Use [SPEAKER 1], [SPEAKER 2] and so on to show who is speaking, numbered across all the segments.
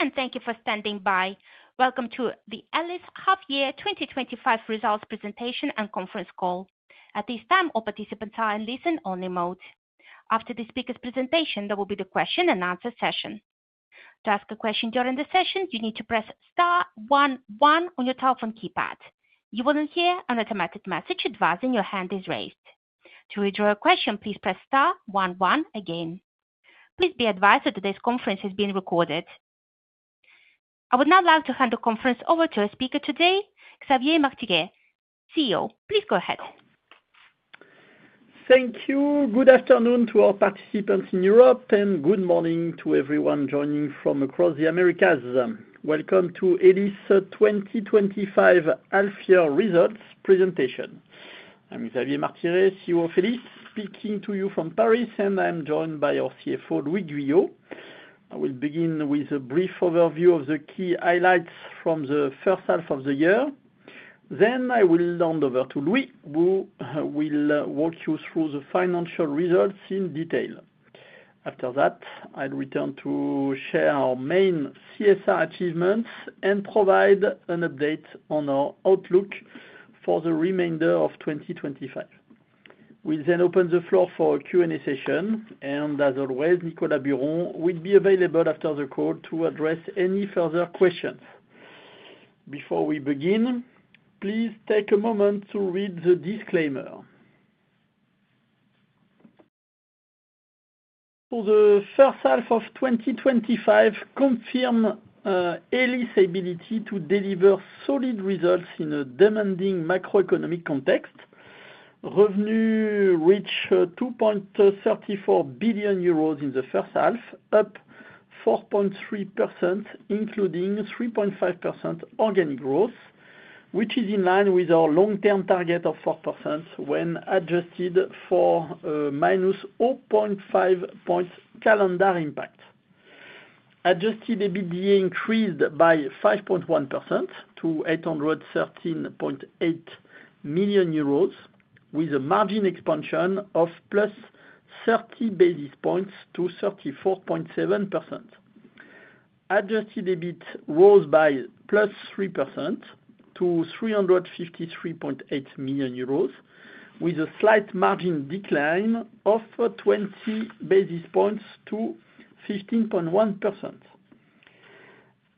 [SPEAKER 1] Hey and thank you for standing by. Welcome to the Elis half year 2025 results presentation and conference call. At this time, all participants are in listen-only mode. After the speaker's presentation, there will be the question and answer session. To ask a question during the session, you need to press star one one on your telephone keypad. You will then hear an automatic message advising your hand is raised. To withdraw a question, please press star one one again. Please be advised that today's conference is being recorded. I would now like to hand the conference over to our speaker today, Xavier Martiré, CEO. Please go ahead.
[SPEAKER 2] Thank you. Good afternoon to all participants in Europe and good morning to everyone joining from across the Americas. Welcome to Elis 2025 half year results presentation. I'm Xavier Martiré, CEO of Elis, speaking to you from Paris and I'm joined by our CFO Louis Guyot. I will begin with a brief overview of the key highlights from the first half of the year. Then I will hand over to Louis who will walk you through the financial results in detail. After that, I'll return to share our main CSR achievements and provide an update on our outlook for the remainder of 2025. We then open the floor for Q&A session and as always, Nicolas Biron will be available after the call to address any further questions. Before we begin, please take a moment to read the disclaimer. For the first half of 2025 confirmed Elis' ability to deliver solid results in a demanding macroeconomic context. Revenue reached 2.34 billion euros in the first half, up 4.3% including 3.5% organic growth, which is in line with our long term target of 4% when adjusted for minus 0.5 points calendar impact. Adjusted EBITDA increased by 5.1% to 830 million euros with a margin expansion of plus 30 basis points to 34.7%. Adjusted EBIT rose by plus 3% to 353.8 million euros with a slight margin decline of 20 basis points to 15.1%.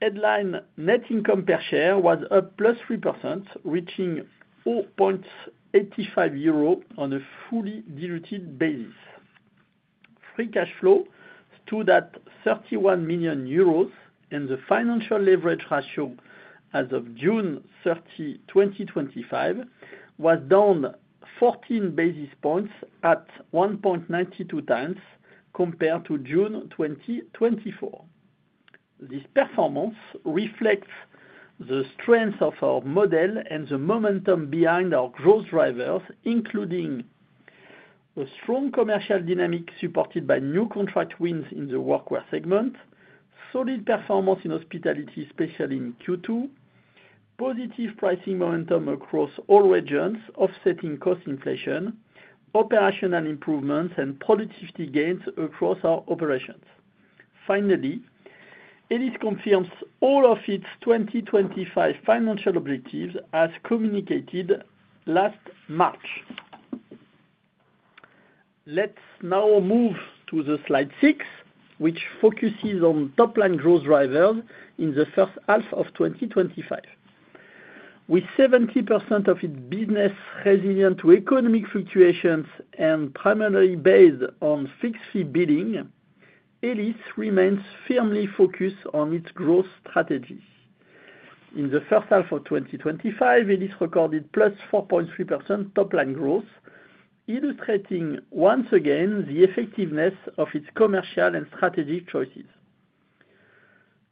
[SPEAKER 2] Headline net income per share was up 3%, reaching 4.85 euro on a fully diluted basis. Free cash flow stood at 31 million euros and the financial leverage ratio as of June 30, 2025 was down 14 basis points at 1.92 times compared to June 2024. This performance reflects the strength of our model and the momentum behind our growth drivers, including a strong commercial dynamic supported by new contract wins in the workwear segment, solid performance in hospitality, especially in Q2, positive pricing momentum across all regions, offsetting cost inflation, operational improvements and productivity gains across our operations. Finally, Elis confirms all of its 2025 financial objectives as communicated last March. Let's now move to slide six which focuses on top line growth drivers in the first half of 2025. With 70% of its business resilient to economic fluctuations and primarily based on fixed fee bidding, Elis remains firmly focused on its growth strategy. In the first half of 2025 Elis recorded plus 4.3% top line growth, illustrating once again the effectiveness of its commercial and strategic choices.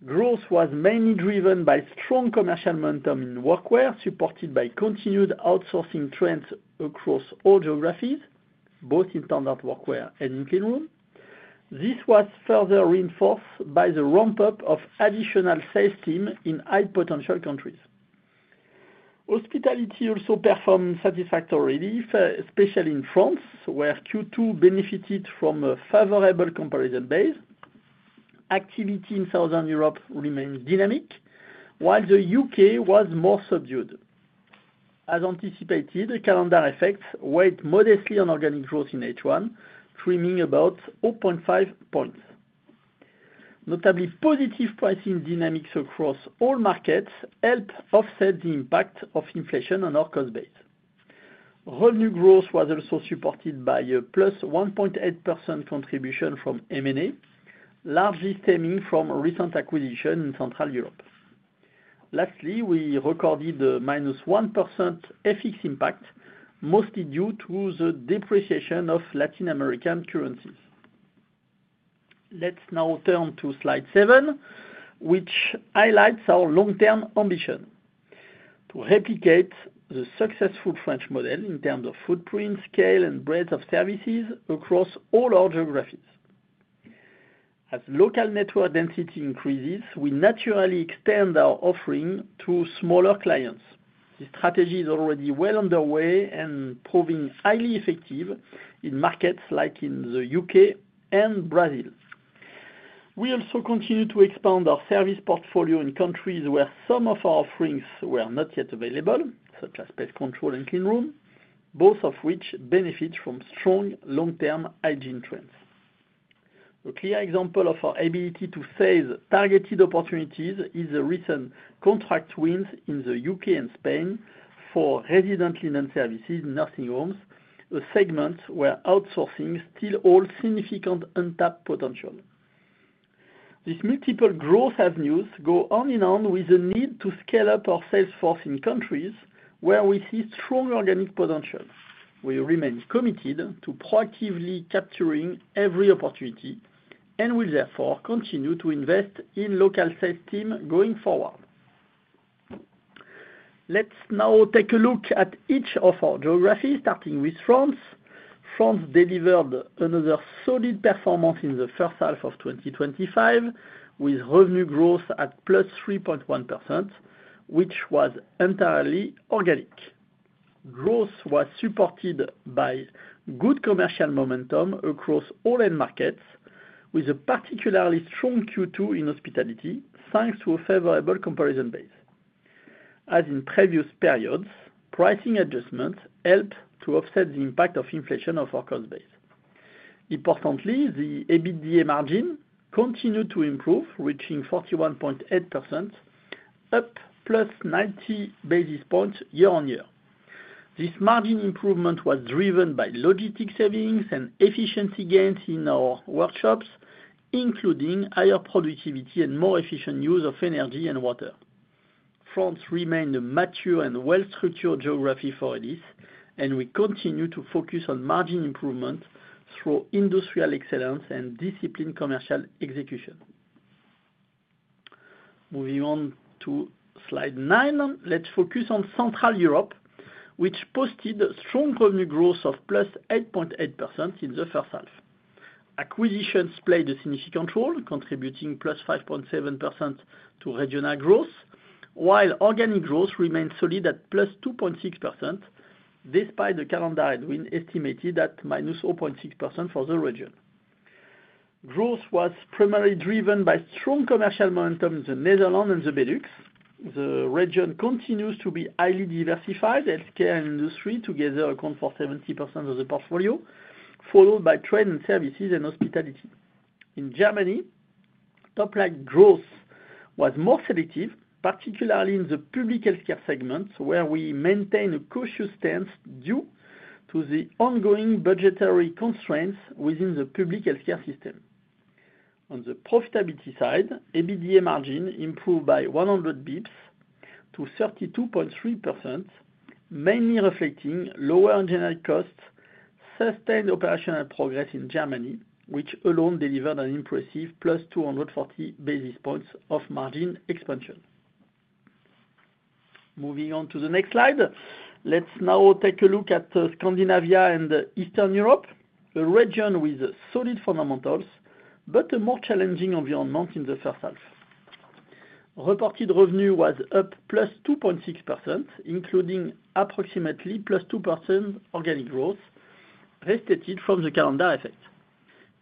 [SPEAKER 2] Growth was mainly driven by strong commercial momentum in workwear supported by continued outsourcing trends across all geographies both in standard workwear and in clean room. This was further reinforced by the ramp up of additional sales team in high potential countries. Hospitality also performed satisfactorily, especially in France where Q2 benefited from a favorable comparison. Base activity in Southern Europe remained dynamic while the U.K. was more subdued. As anticipated, the calendar effect weighed modestly on organic growth in H1, trimming about 0.5 points. Notably, positive pricing dynamics across all markets help offset the impact of inflation on our cost base. Revenue growth was also supported by a 1.8% contribution from M&A largely stemming from recent acquisitions in Central Europe. Lastly, we recorded the -1% FX impact, mostly due to the depreciation of Latin American currencies. Let's now turn to slide seven which highlights our long term ambition to replicate the successful French model in terms of footprint, scale, and breadth of services across all our geographies. As local network density increases, we naturally extend our offering to smaller clients. This strategy is already well underway and proving highly effective in markets like in the U.K. and Brazil. We also continue to expand our service portfolio in countries where some of our offerings were not yet available such as pest control and clean room, both of which benefit from strong long term hygiene trends. A clear example of our ability to save targeted opportunities is the recent contract wins in the U.K. and Spain for nursing home linen services, a segment where outsourcing still holds significant untapped potential. These multiple growth avenues go on in on with the need to scale up our sales force in countries where we see strong organic potential. We remain committed to proactively capturing every opportunity and will therefore continue to invest in local sales team going forward. Let's now take a look at each of our geographies starting with France. France delivered another solid performance in the first half of 2025 with revenue growth at 3.1% which was entirely organic. Growth was supported by good commercial momentum across all end markets with a particularly strong Q2 in hospitality thanks to a favorable comparison base. As in previous periods, pricing adjustments help to offset the impact of inflation of our cost base. Importantly, the EBITDA margin continued to improve, reaching 41.8%, up +90 basis points year-on-year. This margin improvement was driven by logistics savings and efficiency gains in our workshops, including higher productivity and more efficient use of energy and water. France remained a mature and well-structured geography for Elis, and we continue to focus on margin improvement through industrial excellence and disciplined commercial execution. Moving on to slide nine, let's focus on Central Europe, which posted strong revenue growth of 8.8% in the first half. Acquisitions played a significant role, contributing +5.7% to regional growth, while organic growth remains solid at 2.6%. Despite the calendar headwind estimated at -0.6% for the region, growth was primarily driven by strong commercial momentum in the Netherlands and the Benelux. The region continues to be highly diversified. Healthcare and industry together account for 70% of the portfolio, followed by trade and services and hospitality. In Germany, top-line growth was more selective, particularly in the public healthcare segment where we maintain a cautious stance due to the ongoing budgetary constraints within the public healthcare system. On the profitability side, EBITDA margin improved by 100 bps to 32.3%, mainly reflecting lower engineering costs. Sustained operational progress in Germany alone delivered an impressive 240 basis points of margin expansion. Moving on to the next slide, let's now take a look at Scandinavia and Eastern Europe, a region with solid fundamentals but a more challenging environment. In the first half, reported revenue was up 2.6%, including approximately +2% organic growth restated from the calendar effect.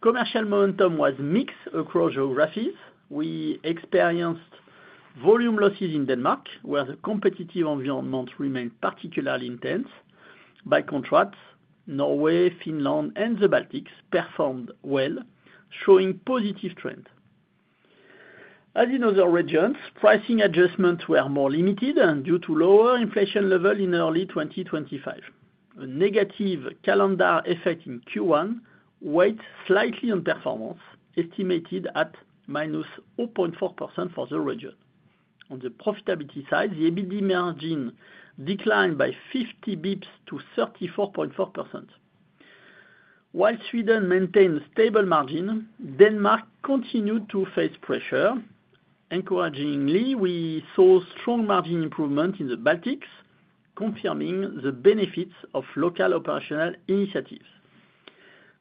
[SPEAKER 2] Commercial momentum was mixed across geographies. We experienced volume losses in Denmark, where the competitive environment remained particularly intense. By contrast, Norway, Finland, and the Baltics performed well, showing positive trend. As in other regions, pricing adjustments were more limited due to lower inflation level. In early 2025, a negative calendar effect in Q1 weighed slightly on performance, estimated at minus 0.4% for the region. On the profitability side, the EBITDA margin declined by 50 bps to 34.4%. While Sweden maintained stable margin, Denmark continued to face pressure. Encouragingly, we saw strong margin improvement in the Baltics, confirming the benefits of local operational initiatives.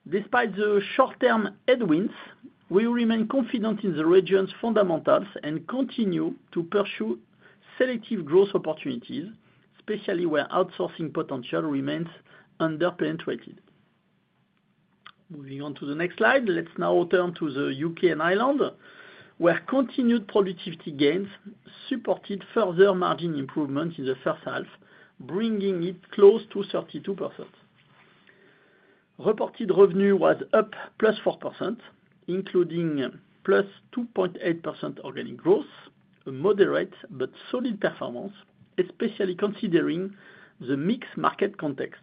[SPEAKER 2] Despite the short-term headwinds, we remain confident in the region's fundamentals and continue to pursue selective growth opportunities, especially where outsourcing potential remains underpenetrated. Moving on to the next slide, let's now turn to the U.K. and Ireland where continued productivity gains supported further margin improvement in the first half, bringing it close to 32%. Reported revenue was up 4%, including 2.8% organic growth, a moderate but solid performance, especially considering the mixed market context.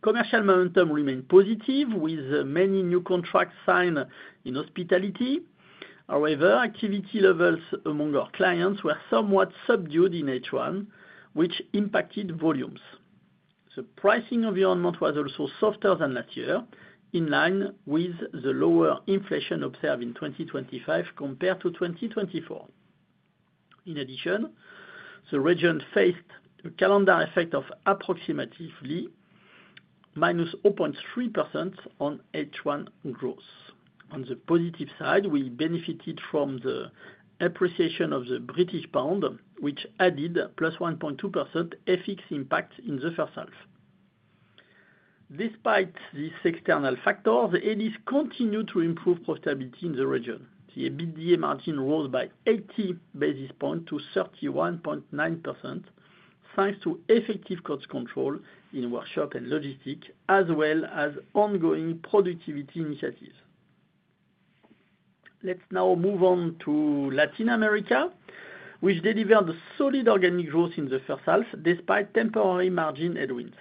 [SPEAKER 2] Commercial momentum remained positive with many new contracts signed in hospitality. However, activity levels among our clients were somewhat subdued in H1, which impacted volumes. The pricing environment was also softer than last year, in line with the lower inflation observed in 2025 compared to 2024. In addition, the region faced a calendar effect of approximately -0.3% on H1 growth. On the positive side, we benefited from the appreciation of the British pound, which added 1.2% FX impact in the first half. Despite this external factor, the Elis teams continued to improve profitability in the region. The EBITDA margin rose by 80 basis points to 31.9% thanks to effective cost control in workshop and logistics as well as ongoing productivity initiatives. Let's now move on to Latin America, which delivered solid organic growth in the first half. Despite temporary margin headwinds,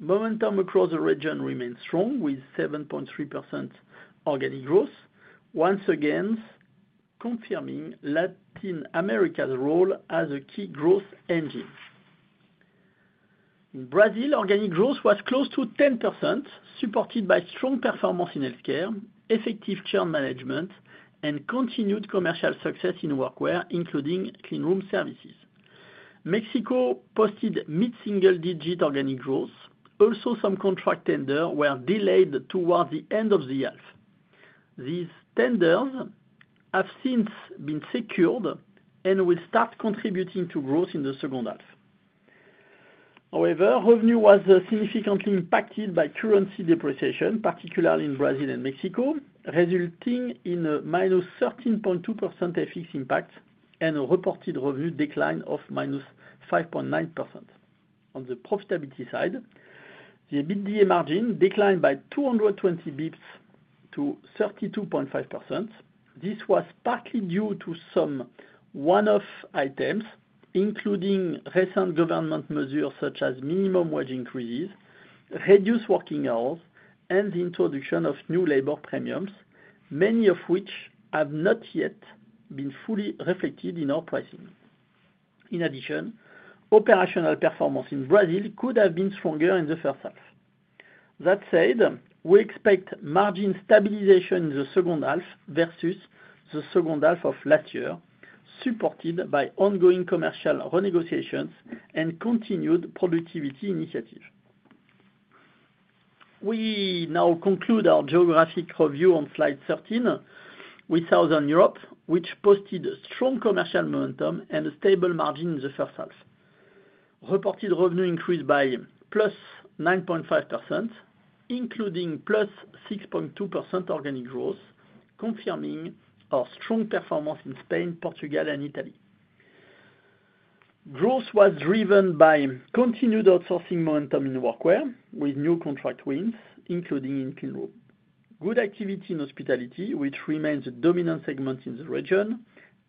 [SPEAKER 2] momentum across the region remains strong with 7.3% organic growth, once again confirming Latin America's role as a key growth engine. In Brazil, organic growth was close to 10%, supported by strong performance in healthcare, effective churn management, and continued commercial success in workwear including clean room services. Mexico posted mid-single-digit organic growth. Also, some contract tenders were delayed toward the end of the half. These tenders have since been secured and will start contributing to growth in the second half. However, revenue was significantly impacted by currency depreciation, particularly in Brazil and Mexico, resulting in a -13.2% FX impact and a reported revenue decline of -5.9%. On the profitability side, the EBITDA margin declined by 220 bps to 32.5%. This was partly due to some one-off items, including recent government measures such as minimum wage increases, reduced working hours, and the introduction of new labor premiums, many of which have not yet been fully reflected in our pricing. In addition, operational performance in Brazil could have been stronger in the first half. That said, we expect margin stabilization in the second half versus the second half of last year, supported by ongoing commercial renegotiations and continued productivity initiative. We now conclude our geographic review on slide 13 with Southern Europe, which posted strong commercial momentum and a stable margin in the first half. Reported revenue increased by +9.5%, including +6.2% organic growth, confirming our strong performance in Spain, Portugal, and Italy. Growth was driven by continued outsourcing momentum in workwear with new contract wins, including in clean room, good activity in hospitality, which remains the dominant segment in the region,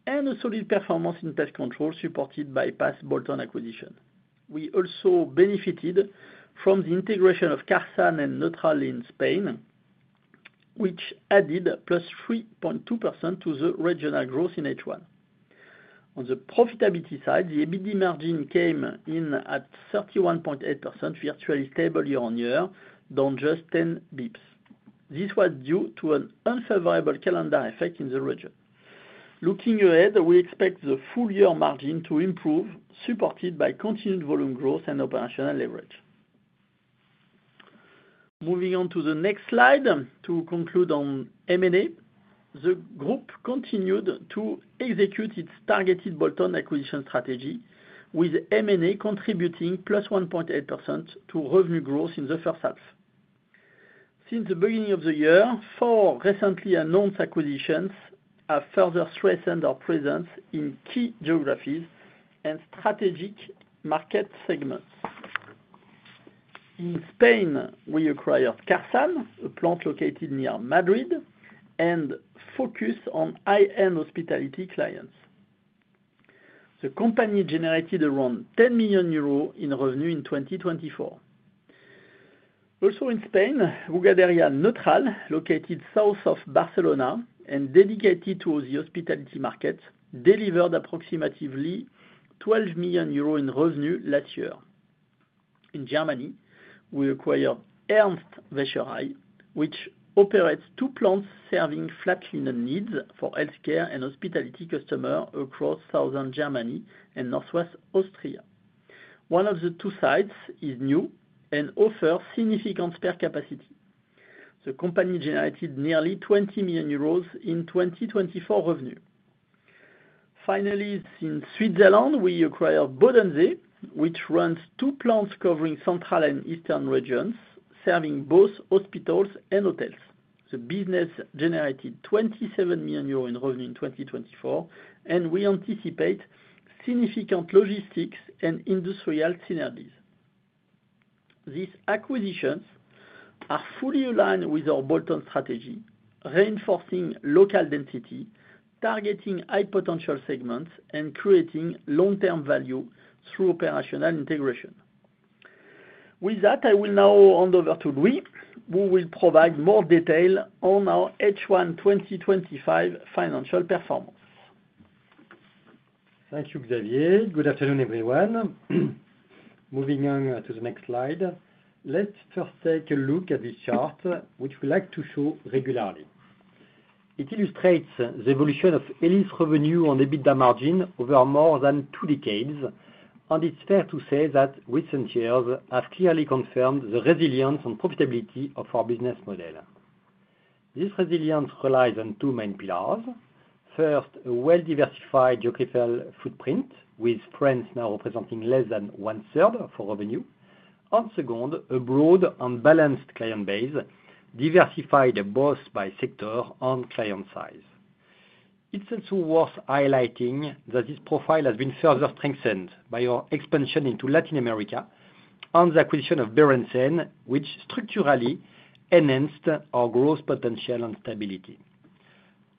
[SPEAKER 2] and a solid performance in pest control supported by past Bolt-on acquisition. We also benefited from the integration of Carson and Bugaderia Nutral SL in Spain, which added +3.2% to the regional growth in H1. On the profitability side, the EBITDA margin came in at 31.8%, virtually stable year-on-year, down just 10 bps. This was due to an unfavorable calendar effect in the region. Looking ahead, we expect the full year margin to improve, supported by continued volume growth and operational leverage. Moving on to the next slide to conclude on M&A, the group continued to execute its targeted Bolt-on acquisition strategy, with M&A contributing +1.8% to revenue growth in the first half. Since the beginning of the year, four recently announced acquisitions have further strengthened our presence in key geographies and strategic market segments. In Spain, we acquired Carson, a plant located near Madrid and focused on high-end hospitality clients. The company generated around 10 million euros in revenue in 2024. Also in Spain, Bugaderia Nutral SL, located south of Barcelona and dedicated to the hospitality market, delivered approximately 12 million euros in revenue last year. In Germany, we acquired Ernst Wäscherei, which operates two plants serving flat linen needs for healthcare and hospitality customers across southern Germany and northwest Austria. One of the two sites is new and offers significant spare capacity. The company generated nearly 20 million euros in 2024 revenue. Finally, in Switzerland, we acquired Bodensee, which runs two plants covering central and eastern regions, serving both hospitals and hotels. The business generated 27 million euros in revenue in 2024, and we anticipate significant logistics and industrial synergies. These acquisitions are fully aligned with our Bolt-on strategy, reinforcing local density, targeting high potential segments, and creating long-term value through operational integration. With that, I will now hand over to Louis Guyot, who will provide more detail on our H1 2025 financial performance.
[SPEAKER 3] Thank you, Xavier. Good afternoon, everyone. Moving on to the next slide, let's first take a look at this chart, which we like to show regularly. It illustrates the evolution of Elis revenue and EBITDA margin over more than two decades, and it's fair to say that recent years have clearly confirmed the resilience and profitability of our business model. This resilience relies on two main pillars. First, a well-diversified geographical footprint, with France now representing less than 1/3 of revenue, and second, a broad and balanced client base diversified both by sector and client size. It's also worth highlighting that this profile has been further strengthened by our expansion into Latin America and the acquisition of Berendsen, which structurally enhanced our growth potential and stability.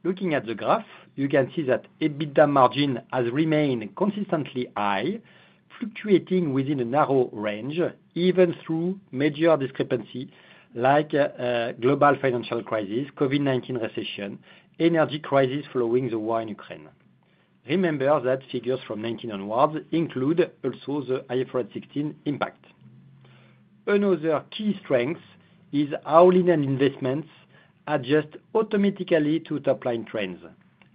[SPEAKER 3] Looking at the graph, you can see that EBITDA margin has remained consistently high, fluctuating within a narrow range even through major discrepancies like the global financial crisis, COVID-19 recession, and energy crisis following the war in Ukraine. Remember that figures from 2019 onwards also include the IFRS 16 impact. Another key strength is how Linen investments adjust automatically to top line trends.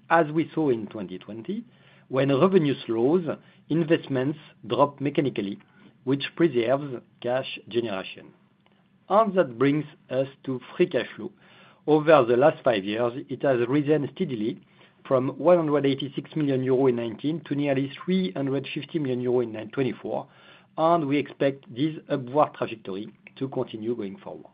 [SPEAKER 3] As we saw in 2020, when revenue slows, investments drop mechanically, which preserves cash generation, and that brings us to free cash flow. Over the last five years, it has risen steadily from 186 million euro in 2019 to nearly 350 million euro in 2024, and we expect this upward trajectory to continue going forward.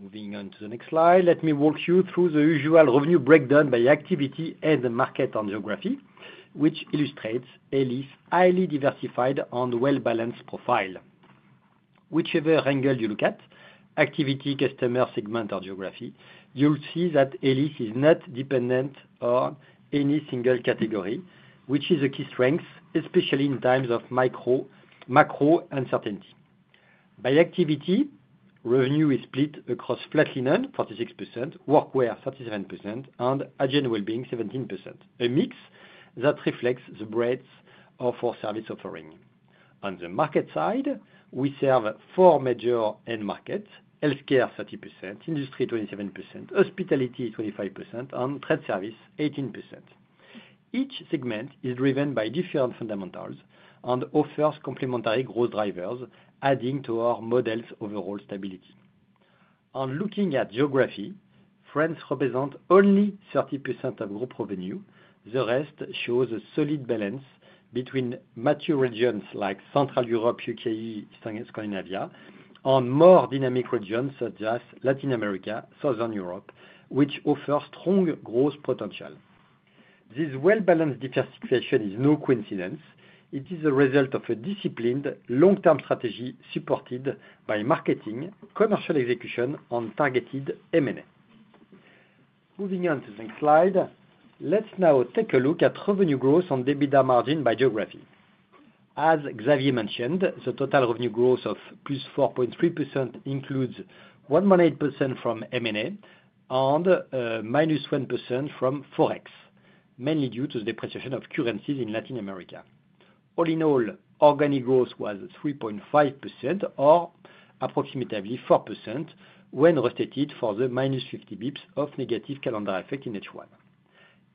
[SPEAKER 3] Moving on to the next slide, let me walk you through the usual revenue breakdown by activity, market, and geography, which illustrates Elis's highly diversified and well-balanced profile. Whichever angle you look at—activity, customer segment, or geography—you'll see that Elis is not dependent on any single category, which is a key strength, especially in times of macro uncertainty. By activity, revenue is split across flat linen 46%, workwear 37%, and agent wellbeing 17%, a mix that reflects the breadth of our service offering. On the market side, we serve four major end markets: Healthcare 30%, Industry 27%, Hospitality 25%, and Trade Service 18%. Each segment is driven by different fundamentals and offers complementary growth drivers, adding to our model's overall stability. On looking at geography, France represents only 30% of group revenue. The rest shows a solid balance between mature regions like Central Europe, U.K., Scandinavia, and more dynamic regions such as Latin America and Southern Europe, which offer strong growth potential. This well-balanced diversification is no coincidence. It is a result of a disciplined long-term strategy supported by marketing, commercial execution, and targeted M&A. Moving on to the next slide, let's now take a look at revenue growth and EBITDA margin by geography. As Xavier Martiré mentioned, the total revenue growth of 4.3% includes 1.8% from M&A and -1% from forex, mainly due to the depreciation of currencies in Latin America. All in all, organic growth was 3.5% or approximately 4% when restated for the -50 bps of negative calendar effect in H1.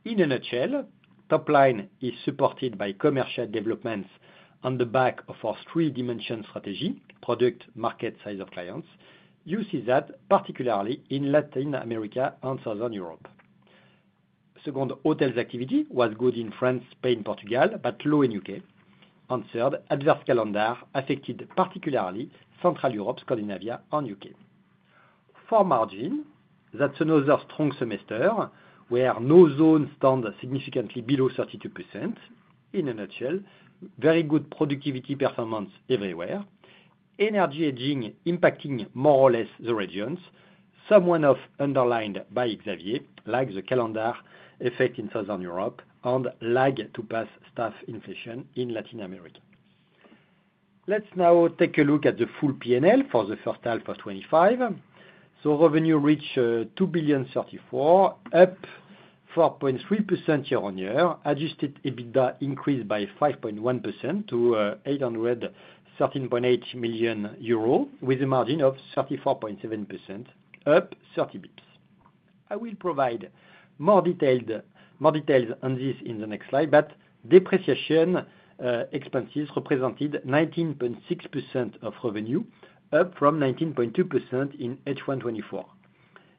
[SPEAKER 3] In a nutshell, top line is supported by commercial developments on the back of our three-dimension strategy: product, market, size of clients. You see that particularly in Latin America and Southern Europe. Second, hotels activity was good in France, Spain, and Portugal but low in U.K., and third, adverse calendar affected particularly Central Europe, Scandinavia, and U.K.. For margin, that's another strong semester where no zones stand significantly below 32%. In a nutshell, very good productivity performance everywhere, energy aging impacting more or less the regions, somewhat underlined by Xavier Martiré, like the calendar effect in Southern Europe and lag to pass staff inflation in Latin America. Let's now take a look at the full P&L for 1H 2025. Revenue reached 2.34 billion, up 4.3% year-on-year. Adjusted EBITDA increased by 5.1% to 813.8 million euros with a margin of 34.7%, up 30 bps. I will provide more details on this in the next slide, but depreciation expenses represented 19.6% of revenue, up from 19.2% in H1 2024.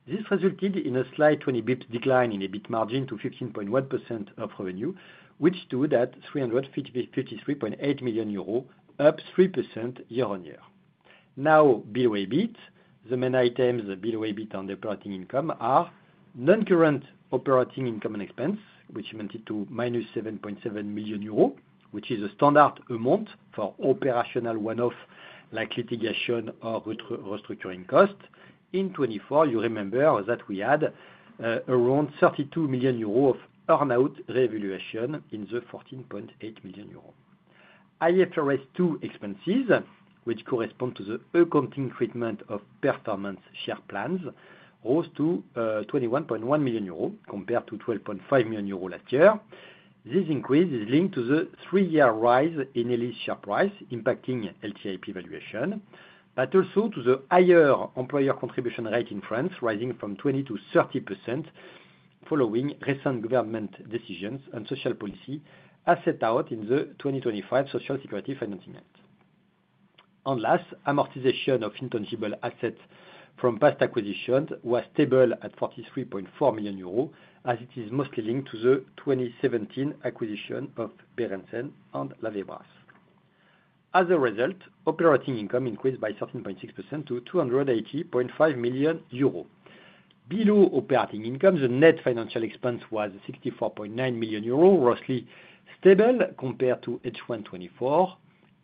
[SPEAKER 3] This resulted in a slight 20 bps decline in EBIT margin to 15.1% of revenue, which stood at 353.8 million euros, up 3% year on year. Now, below EBIT, the main items below EBIT and the operating income are non-current operating income and expense, which amounted to -7.7 million euros, which is a standard amount for operational one-off like litigation or restructuring cost. In 2024, you remember that we had around 32 million euros of earnout revaluation and the 14.8 million euros IFRS 2 expenses, which correspond to the accounting treatment of performance share plans, rose to 21.1 million euros compared to 12.5 million euros last year. This increase is linked to the three-year rise in Elis' share price impacting LTIP valuation, but also to the higher employer contribution rate in France, rising from 20%-30% following recent government decisions and social policy as set out in the 2025 Social Security Financing Act. Last, amortization of intangible assets from past acquisitions was stable at 43.4 million euros as it is mostly linked to the 2017 acquisition of Berendsen and Lavibra. As a result, operating income increased by 13.6% to 280.5 million euro. Below operating income, the net financial expense was 64.9 million euro, roughly stable compared to H1 2024.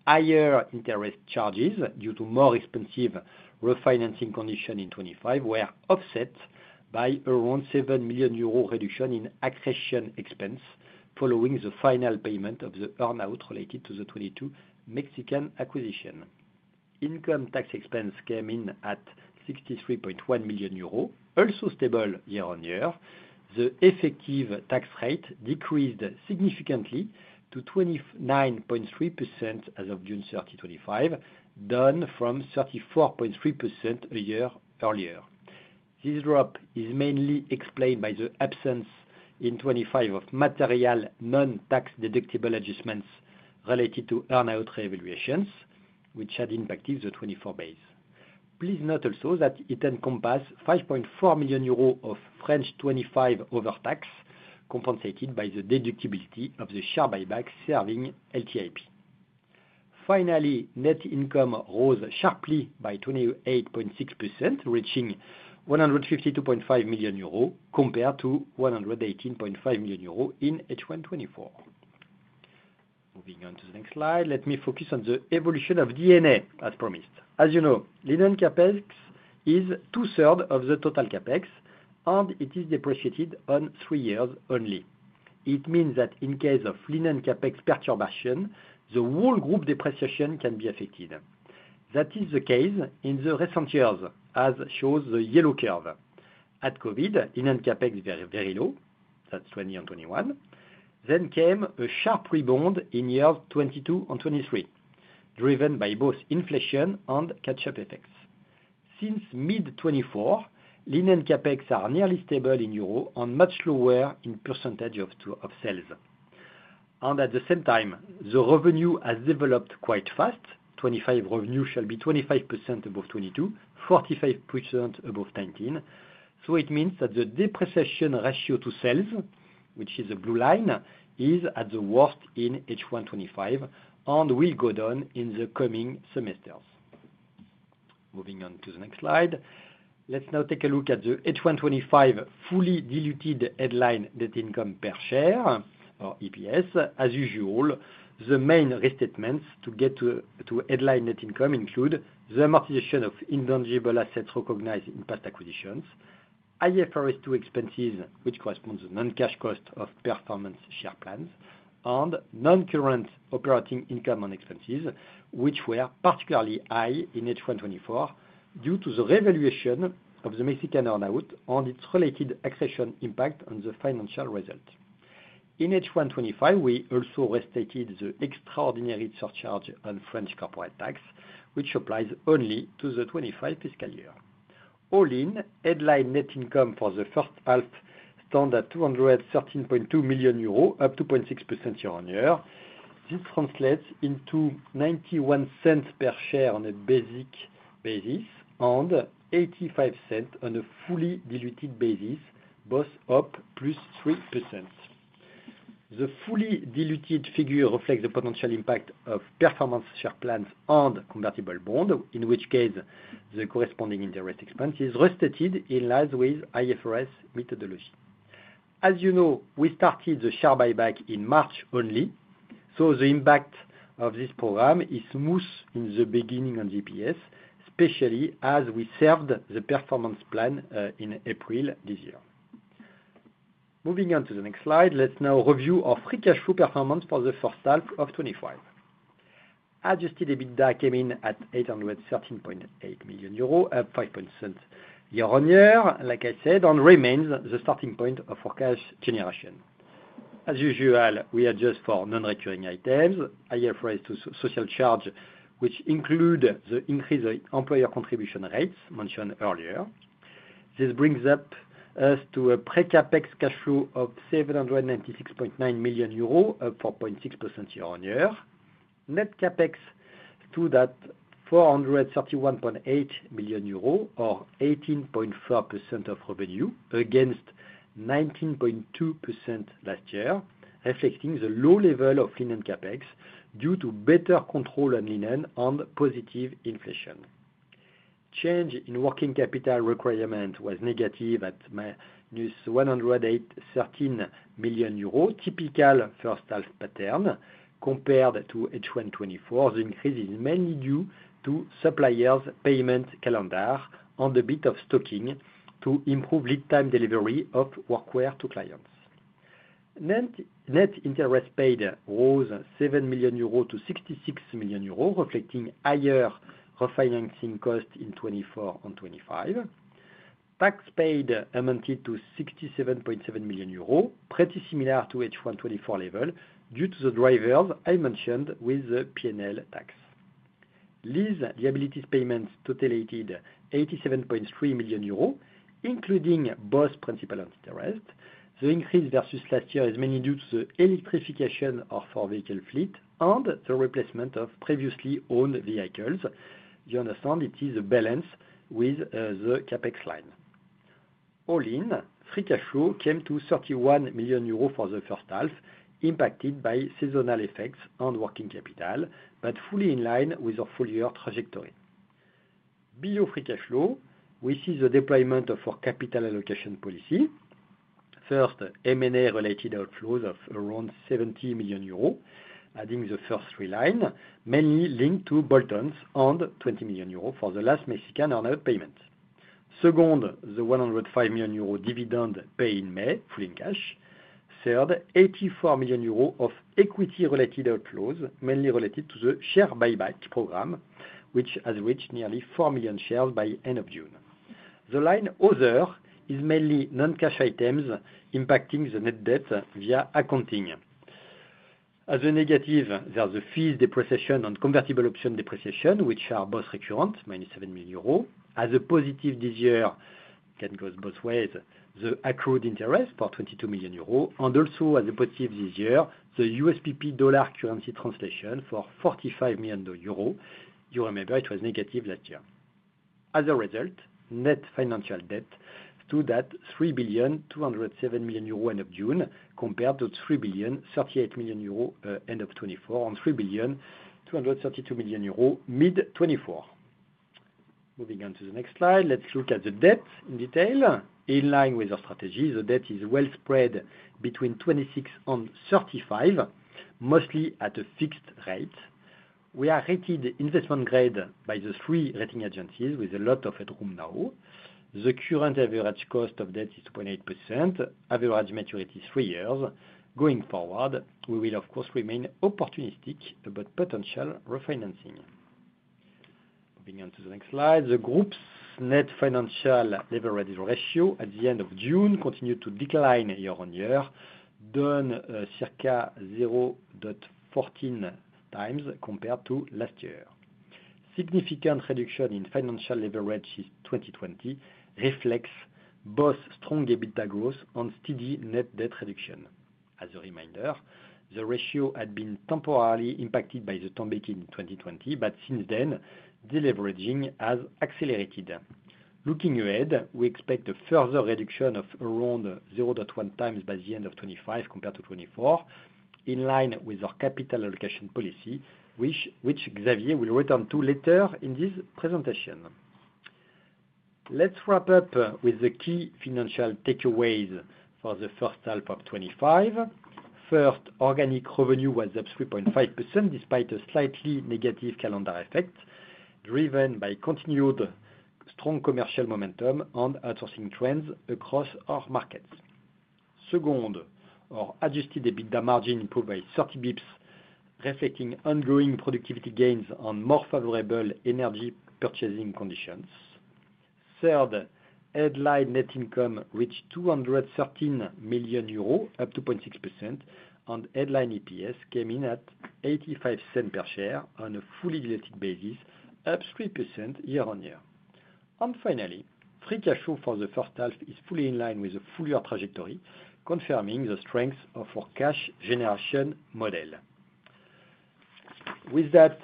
[SPEAKER 3] Higher interest charges due to more expensive refinancing conditions in 2025 were offset by around 7 million euro reduction in accretion expense following the final payment of the earnout related to the 2022 Mexican acquisition. Income tax expense came in at 63.1 million euros, also stable year-on-year. The effective tax rate decreased significantly to 29.3% as of 06-30-2025, down from 34.3% a year earlier. This drop is mainly explained by the absence in 2025 of material non-tax-deductible adjustments related to earnout revaluations which had impacted the 2024 base. Please note also that it encompassed 5.4 million euros of French 2025 overtax compensated by the deductibility of the share buyback serving LTIP. Finally, net income rose sharply by 28.6%, reaching 152.5 million euros compared to 118.5 million euros in H1 2024. Moving on to the next slide, let me focus on the evolution of D&A as promised. As you know, Linen CapEx is two-thirds of the total CapEx and it is depreciated on three years only. It means that in case of Linen CapEx perturbation, the whole group depreciation can be affected. That is the case in the recent years as shows the yellow curve at COVID in Linen CapEx is very low, that's 2020 and 2021. There came a sharp rebound in year 2022 and 2023 driven by both inflation and catch-up effects. Since mid-2024, Linen CapEx is nearly stable in Euro and much lower in percentage of sales and at the same time the revenue has developed quite fast. 2025 revenue shall be 25% above 2022, 45% above 2019. It means that the depreciation ratio to sales, which is a blue line, is at the worst in H1 2025 and will go down in the coming semesters. Moving on to the next slide, let's now take a look at the H1 2025 fully diluted headline net income per share or EPS. As usual, the main restatements to get to headline net income include the amortization of intangible assets recognized in past acquisitions, IFRS two expenses which corresponds to non-cash cost of performance share plans, and non-current operating income and expenses which were particularly high in H1 2024 due to the revaluation of the Mexican earnout and its related accretion impact on the financial result in H1 2025. We also restated the extraordinary surcharge on French corporate tax which applies only to the 2025 fiscal year. All in, headline net income for the first half stands at 213.2 million euros, up 2.6% year-on-year. This translates into 0.91 per share on a basic basis and 0.85 on a fully diluted basis, both up 3%. The fully diluted figure reflects the potential impact of performance share plans and convertible bond, in which case the corresponding interest expense is restated in line with IFRS methodology. As you know, we started the share buyback in March only, so the impact of this program is smooth in the beginning of GPS, especially as we served the performance plan in April this year. Moving on to the next slide, let's now review our free cash flow performance for H1 2025. Adjusted EBITDA came in at 813.8 million euros, up 5% year-on-year. Like I said, remains the starting point of forecast generation. As usual, we adjust for non-recurring items, IFRS 2 social charge, which include the increase in employer contribution rates mentioned earlier. This brings us to a pre-CapEx cash flow of 796.9 million euros, up 4.6% year on year. Net CapEx stood at 431.8 million euros or 18.4% of revenue against 19.2% last year, reflecting the low level of Linen CapEx due to better control on linen and positive inflation. Change in working capital requirement was negative at 113 million euros, typical first half pattern compared to H1 2024. The increase is mainly due to suppliers' payment calendar and a bit of stocking to improve lead time delivery of workwear to clients. Net interest paid rose 7 million euros to 66 million euros, reflecting higher refinancing cost in 2024 and 2025. Tax paid amounted to 67.7 million euros, pretty similar to H120 24 level due to the drivers I mentioned with the P&L tax. Lease liabilities payments totaled 87.3 million euros, including both principal and interest. The increase versus last year is mainly due to the electrification of our vehicle fleet and the replacement of previously owned vehicles. You understand it is a balance with the CapEx line. All in, free cash flow came to 31 million euros for the first half, impacted by seasonal effects on working capital but fully in line with our full year trajectory. Below free cash flow, we see the deployment of our capital allocation policy. First, M&A related outflows of around 70 million euros, adding the first three line mainly linked to Bolt-ons and 20 million euros for the last Mexican earnout payment. Second, the 105 million euros dividend paid in May, full in cash. Third, 84 million euros of equity related outflows, mainly related to the share buyback program which has reached nearly 4 million shares by end of June. The line "other" is mainly non-cash items impacting the net debt via accounting. As a negative, there are the fees depreciation and convertible option depreciation which are both recurrent, minus 7 million euros. As a positive, this year can go both ways. The accrued interest for 22 million euros and also as a positive this year, the USPP dollar currency translation for 45 million euros. You remember it was negative last year. As a result, net financial debt stood at 3,207,000,000 euro end of June compared to 3,038,000,000 euro end of 2024 and 3,232,000,000 euro mid 2024. Moving on to the next slide, let's look at the debt in detail. In line with our strategy, the debt is well spread between 2026 and 2035, mostly at a fixed rate. We are rated investment grade by the three rating agencies with a lot of headroom. Now, the current average cost of debt is 2.8%, average maturity three years. Going forward, we will of course remain opportunistic about potential refinancing. Moving on to the next slide, the group's net financial leverage ratio at the end of June continued to decline year on year, 0.14 times compared to last year. Significant reduction in financial leverage since 2020 reflects both strong EBITDA growth and steady net debt reduction. As a reminder, the ratio had been temporarily impacted by the COVID hit in 2020, but since then deleveraging has accelerated. Looking ahead, we expect a further reduction of around 0.1 times by the end of 2025 compared to 2024, in line with our capital allocation policy, which Xavier Martiré will return to later in this presentation. Let's wrap up with the key financial takeaways for 1H 2025. First, organic revenue was up 3.5% despite a slightly negative calendar effect, driven by continued strong commercial momentum and outsourcing trends across our markets. Second, our Adjusted EBITDA margin improved by 30 bps, reflecting ongoing productivity gains on more favorable energy purchasing conditions. Third, headline net income reached 213 million euros, up 2.6%, and Headline EPS came in at 0.85 per share on a fully diluted base basis, up 3% year-on-year. Finally, free cash flow for the first half is fully in line with the full year trajectory, confirming the strength of our cash generation model. With that,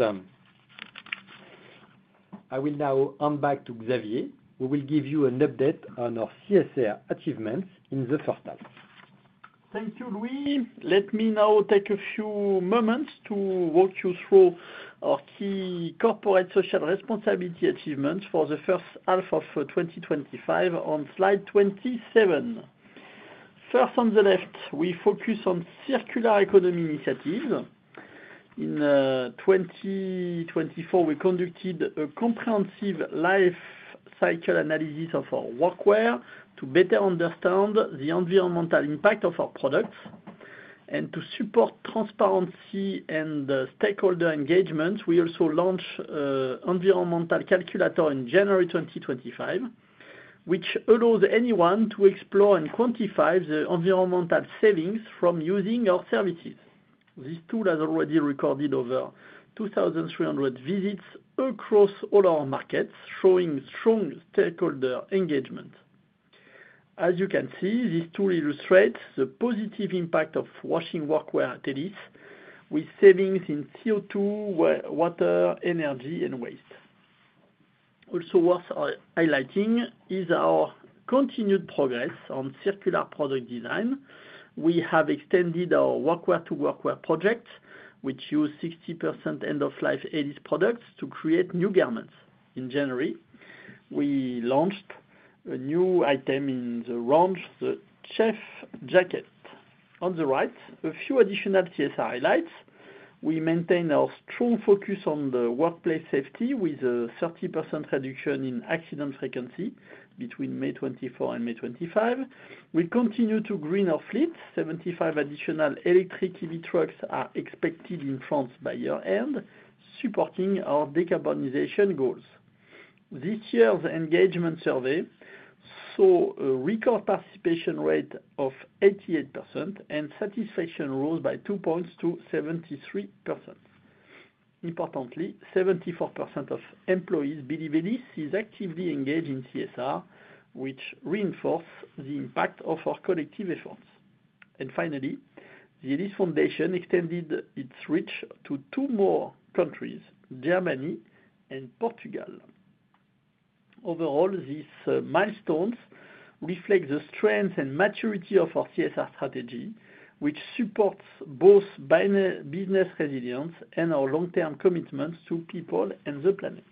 [SPEAKER 3] I will now hand back to Xavier, who will give you an update on our CSA achievements in the first half.
[SPEAKER 2] Thank you, Louis. Let me now take a few moments to walk you through our key corporate social responsibility achievements for the first half of 2025 on slide 27. First, on the left, we focus on circular economy initiatives. In 2024, we conducted a comprehensive life cycle analysis of our workwear to better understand the environmental impact of our products and to support transparency and stakeholder engagement. We also launched the environmental calculator in January 2025, which allows anyone to explore and quantify the environmental savings from using our services. This tool has already recorded over 2,300 visits across all our markets, showing strong stakeholder engagement. As you can see, this tool illustrates the positive impact of washing workwear at Elis with savings in CO2, water, energy, and waste. Also worth highlighting is our continued progress on circular product design. We have extended our Workwear to Workwear project, which uses 60% end-of-life Elis products to create new garments. In January, we launched a new item in the chef jacket on the right. A few additional CSR highlights: We maintain our strong focus on workplace safety with a 30% reduction in accident frequency between May 2024 and May 2025. We continue to green our fleet. Seventy-five additional electric EV trucks are expected in France by year end, supporting our decarbonization goals. This year's engagement survey saw a record participation rate of 88%, and satisfaction rose by 2 points to 73%. Importantly, 74% of employees believe Elis is actively engaged in CSR, which reinforces the impact of our collective efforts. Finally, the Elis Foundation extended its reach to two more countries, Germany and Portugal. Overall, these milestones reflect the strength and maturity of our CSR strategy, which supports both business resilience and our long-term commitments to people and the planet.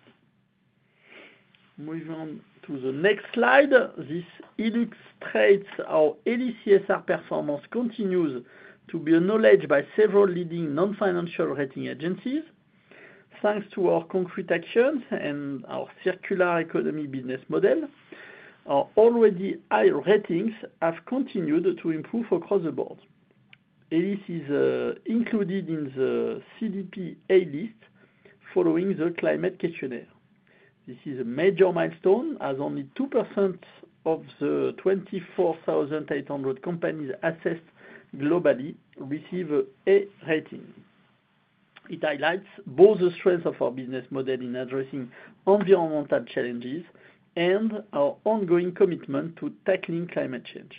[SPEAKER 2] Moving on to the next slide, this illustrates how our CSR performance continues to be acknowledged by several leading non-financial rating agencies. Thanks to our concrete actions and our circular economy business model, our already high ratings have continued to improve across the board. Elis is included in the CDP A List following the Climate Questionnaire. This is a major milestone as only 2% of the 24,800 companies assessed globally receive an A rating. It highlights both the strength of our business model in addressing environmental challenges and our ongoing commitment to tackling climate change.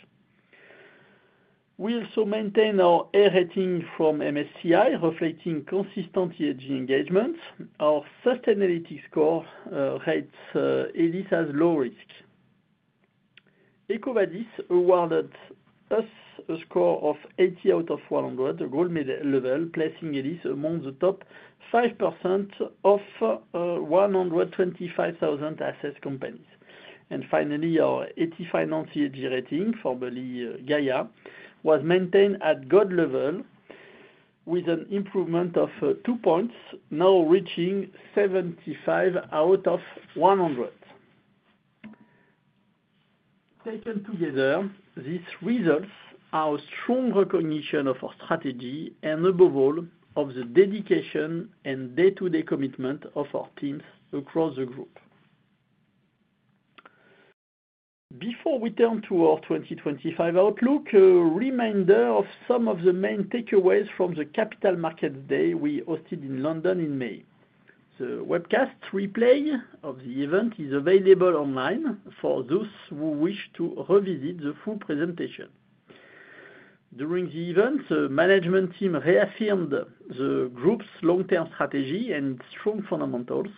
[SPEAKER 2] We also maintain our A rating from MSCI, reflecting consistent ESG engagement. Our first analytics score rates Elis as low risk. EcoVadis awarded us a score of 80 out of 100, a gold medal level, placing Elis among the top 5% of 125,000 assessed companies. Finally, our EthiFinance rating, formerly Gaia, was maintained at gold level with an improvement of two points, now reaching 75 out of 100. Taken together, these results are strong recognition of our strategy and, above all, of the dedication and day-to-day commitment of our teams across the group. Before we turn to our 2025 outlook, a reminder of some of the main takeaways from the Capital Markets Day we hosted in London in May. The webcast replay of the event is available online for those who wish to revisit the full presentation. During the event, the management team reaffirmed the Group's long-term strategy and strong fundamentals.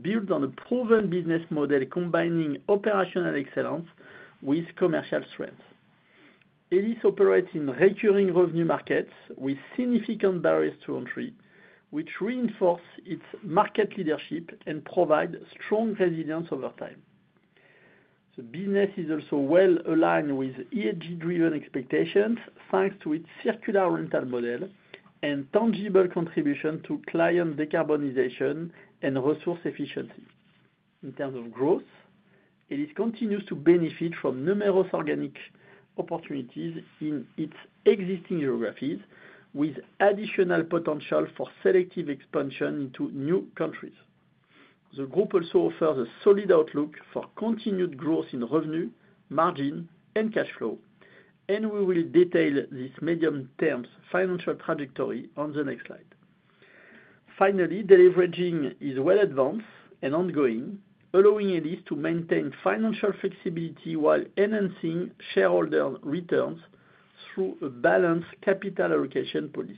[SPEAKER 2] Built on a proven business model combining operational excellence with commercial strength, Elis operates in recurring revenue markets with significant barriers to entry, which reinforce its market leadership and provide strong resilience over time. The business is also well aligned with ESG-driven expectations thanks to its circular rental model and tangible contribution to client decarbonization and resource efficiency. In terms of growth, Elis continues to benefit from numerous organic opportunities in its existing geographies, with additional potential for selective expansion into new countries. The Group also offers a solid outlook for continued growth in revenue, margin, and cash flow, and we will detail this medium-term financial trajectory on the next slide. Deleveraging is well advanced and ongoing, allowing Elis to maintain financial flexibility while enhancing shareholder returns through a balanced capital allocation policy.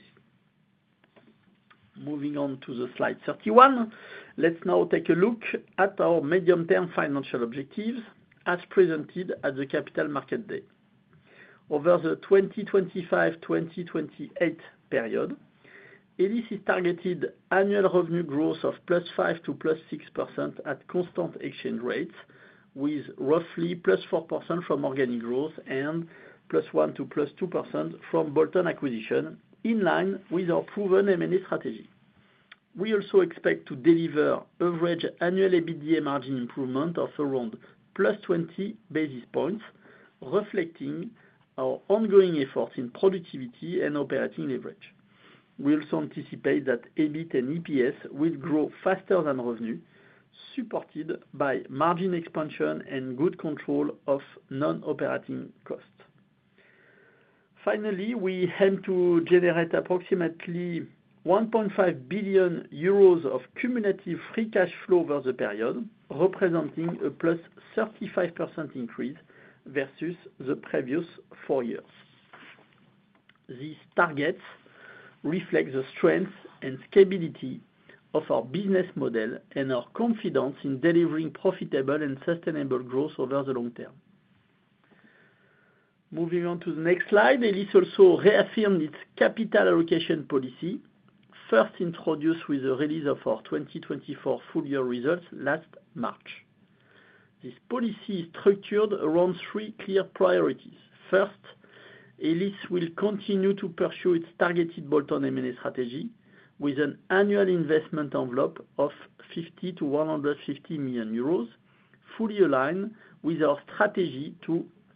[SPEAKER 2] Moving to slide 31, let's now take a look at our medium-term financial objectives as presented at the Capital Markets Day. Over the 2025-2028 period, Elis targeted annual revenue growth of 5%-6% at constant exchange rates, with roughly +4% from organic growth and +1% to +2% from Bolt-on acquisitions. In line with our proven M&A strategy, we also expect to deliver average annual EBITDA margin improvement of around +20 basis points, reflecting our ongoing efforts in productivity and operating leverage. We also anticipate that EBIT and EPS will grow faster than revenue, supported by margin expansion and good control of non operating costs. Finally, we aim to generate approximately 1.5 billion euros of cumulative free cash flow over the period, representing a 35% increase versus the previous four years. These targets reflect the strength and stability of our business model and our confidence in delivering profitable and sustainable growth over the long term. Moving on to the next slide, Elis also reaffirmed its capital allocation policy, first introduced with the release of our 2024 full year results last March. This policy is structured around three clear priorities. First, Elis will continue to pursue its targeted Bolt-on M&A strategy with an annual investment envelope of 50 million to 150 million euros, fully aligned with our strategy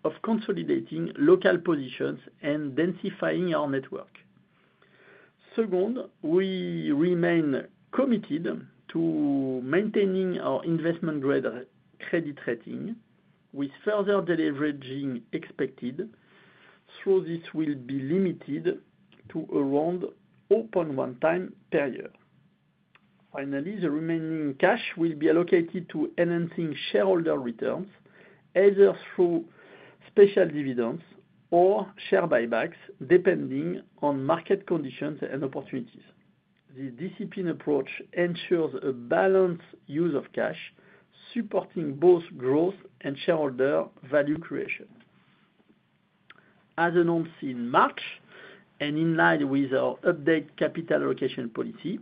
[SPEAKER 2] of consolidating local positions and densifying our network. Second, we remain committed to maintaining our investment credit rating with further deleveraging expected, so this will be limited to around 0.1 time per year. Finally, the remaining cash will be allocated to enhancing shareholder returns either through special dividends or share buybacks, depending on market conditions and opportunities. The disciplined approach ensures a balanced use of cash supporting both growth and shareholder value creation. As announced in March and in line with our updated capital allocation policy,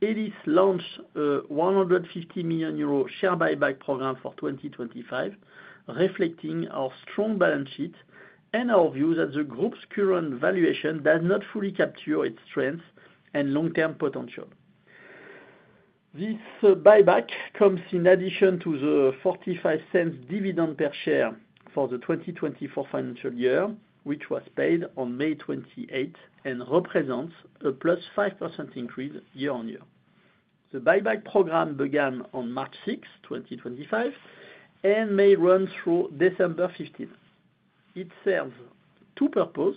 [SPEAKER 2] Elis launched a 150 million euro share buyback program for 2025, reflecting our strong balance sheet and our view that the group's current valuation does not fully capture its strength and long term potential. This buyback comes in addition to the 0.45 dividend per share for the 2024 financial year, which was paid on May 28 and represents a 5% increase year on year. The buyback program began on March 6, 2025 and may run through December 15. It serves two purposes.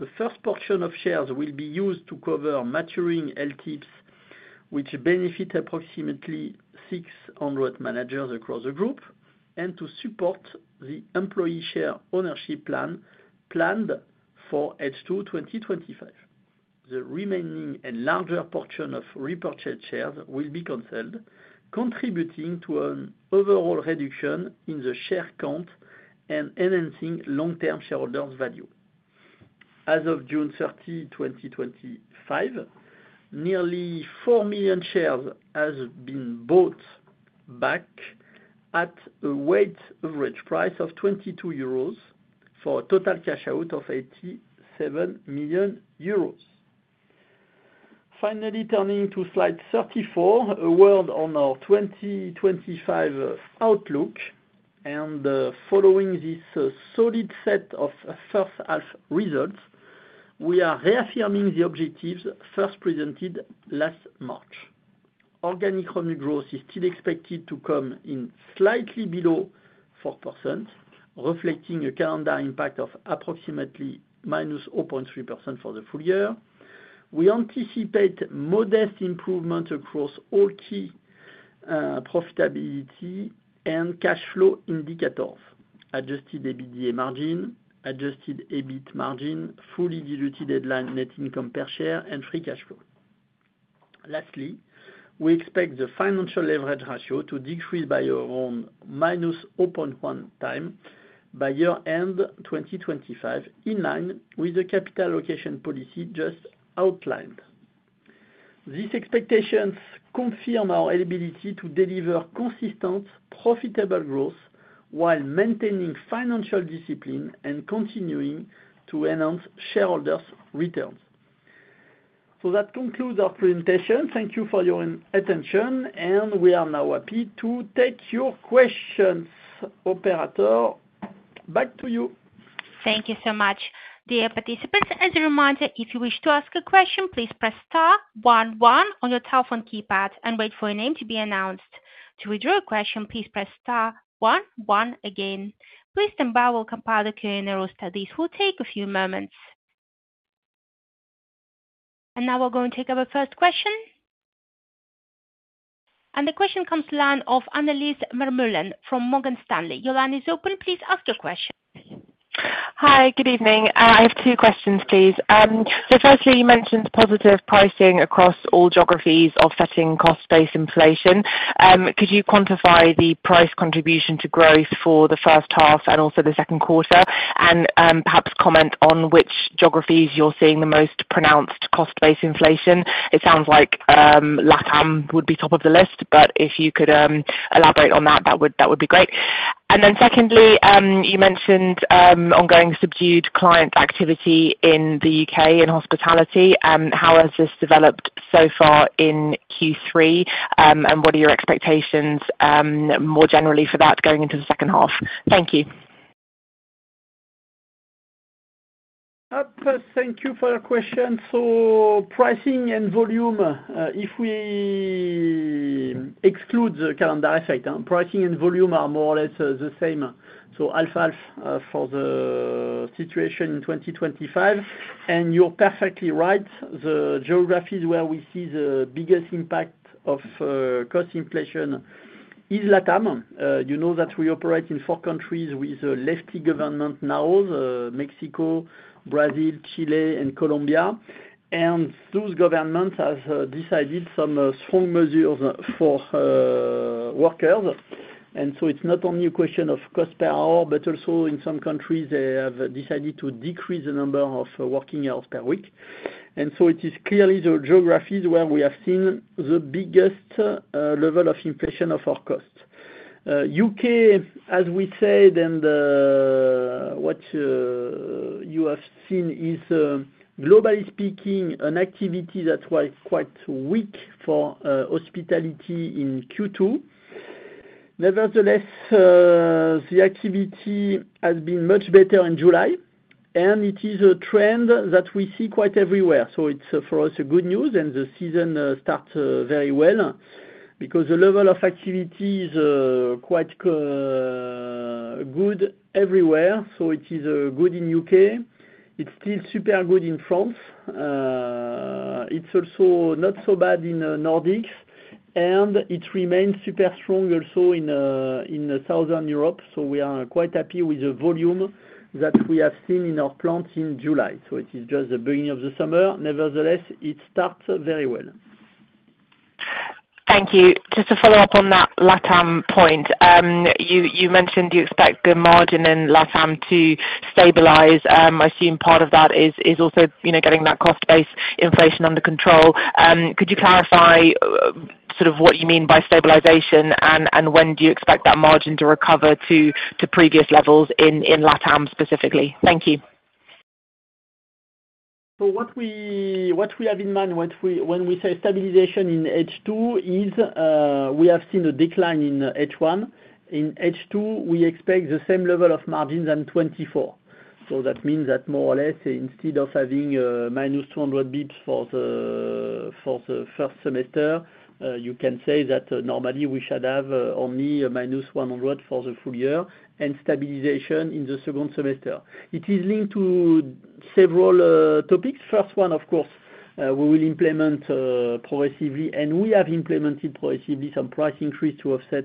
[SPEAKER 2] The first portion of shares will be used to cover maturing LTIPs which benefit approximately 600 managers across the group and to support the employee share ownership plan planned for H2 2025. The remaining and larger portion of repurchased shares will be cancelled, contributing to an overall reduction in the share count and enhancing long term shareholders value. As of June 30, 2025, nearly 4 million shares have been bought back at a weighted average price of 22 euros for a total cash out of 87 million euros. Finally, turning to slide 34, a word on our 2025 outlook and following this solid set of functions first half results, we are reaffirming the objectives first presented last March. Organic revenue growth is still expected to come in slightly below 4%, reflecting a calendar impact of approximately -0.3% for the full year. We anticipate modest improvement across all key profitability and cash flow indicators: Adjusted EBITDA margin, Adjusted EBIT margin, fully diluted headline net income per share, and free cash flow. Lastly, we expect the financial leverage ratio to decrease by around -0.1 time by year end 2025, in line with the capital allocation policy just outlined. These expectations confirm our ability to deliver consistent profitable growth while maintaining financial discipline and continuing to enhance shareholders' returns. That concludes our presentation. Thank you for your attention and we are now happy to take your questions. Operator, back to you.
[SPEAKER 1] Thank you so much. Dear participants, as a reminder, if you wish to ask a question, please press star one one on your telephone keypad and wait for your name to be announced. To withdraw a question, please press star one one again, please. Bow will compile the Q&A queue. This will take a few moments. Now we're going to take our first question. The question comes from the line of Annelies Vermeulen from Morgan Stanley. Your line is open. Please ask your questions.
[SPEAKER 4] Hi, good evening. I have two questions, please. Firstly, you mentioned positive pricing across all geographies, offsetting cost base inflation. Could you quantify the price contribution to growth for the first half and for the second quarter, and perhaps comment on which geographies you're seeing the most pronounced cost base inflation? It sounds like LATAM would be top of the list, but if you could elaborate on that, that would be great. Secondly, you mentioned ongoing subdued client activity in the U.K. in hospitality. How has this developed so far in Q3, and what are your expectations more generally for that going into the second half? Thank you.
[SPEAKER 2] Thank you for your question. Pricing and volume, if we exclude the calendar effect, pricing and volume are more or less the same. Half for the situation in 2025. You're perfectly right, the geographies where we see the biggest impact of cost inflation is Latin America. You know that we operate in four countries with a lefty government now, Mexico, Brazil, Chile, and Colombia. Those governments have decided some strong measures for workers. It's not only a question of cost per hour, but also in some countries they have decided to decrease the number of working hours per week. It is clearly the geographies where we have seen the biggest level of inflation of our cost, U.K. as we said. What you have seen is, globally speaking, an activity that was quite weak for hospitality in Q2. Nevertheless, the activity has been much better in July and it is a trend that we see quite everywhere. It's for us good news. The season starts very well because the level of activity is quite good everywhere. It is good in the U.K., it's still super good in France. It's also not so bad in Nordics and it remains super strong also in Southern Europe. We are quite happy with the volume that we have seen in our plants in July. It's just the beginning of the summer. Nevertheless, it starts very well.
[SPEAKER 4] Thank you. Just to follow up on that LATAM point you mentioned, you expect the margin in LATAM to stabilize. I assume part of that is also getting that cost-based inflation under control. Could you clarify what you mean by stabilization and when do you expect that margin to recover to previous levels in LATAM specifically? Thank you.
[SPEAKER 2] What we have in mind when we say stabilization in H2 is we have seen a decline in H1. In H2 we expect the same level of margins on 2024. That means that more or less, instead of having -200 bps for the first semester, you can say that normally we should have only -100 for the first full year and stabilization in the second semester. It is linked to several topics. First one, of course we will implement progressively and we have implemented proactively some price increase to offset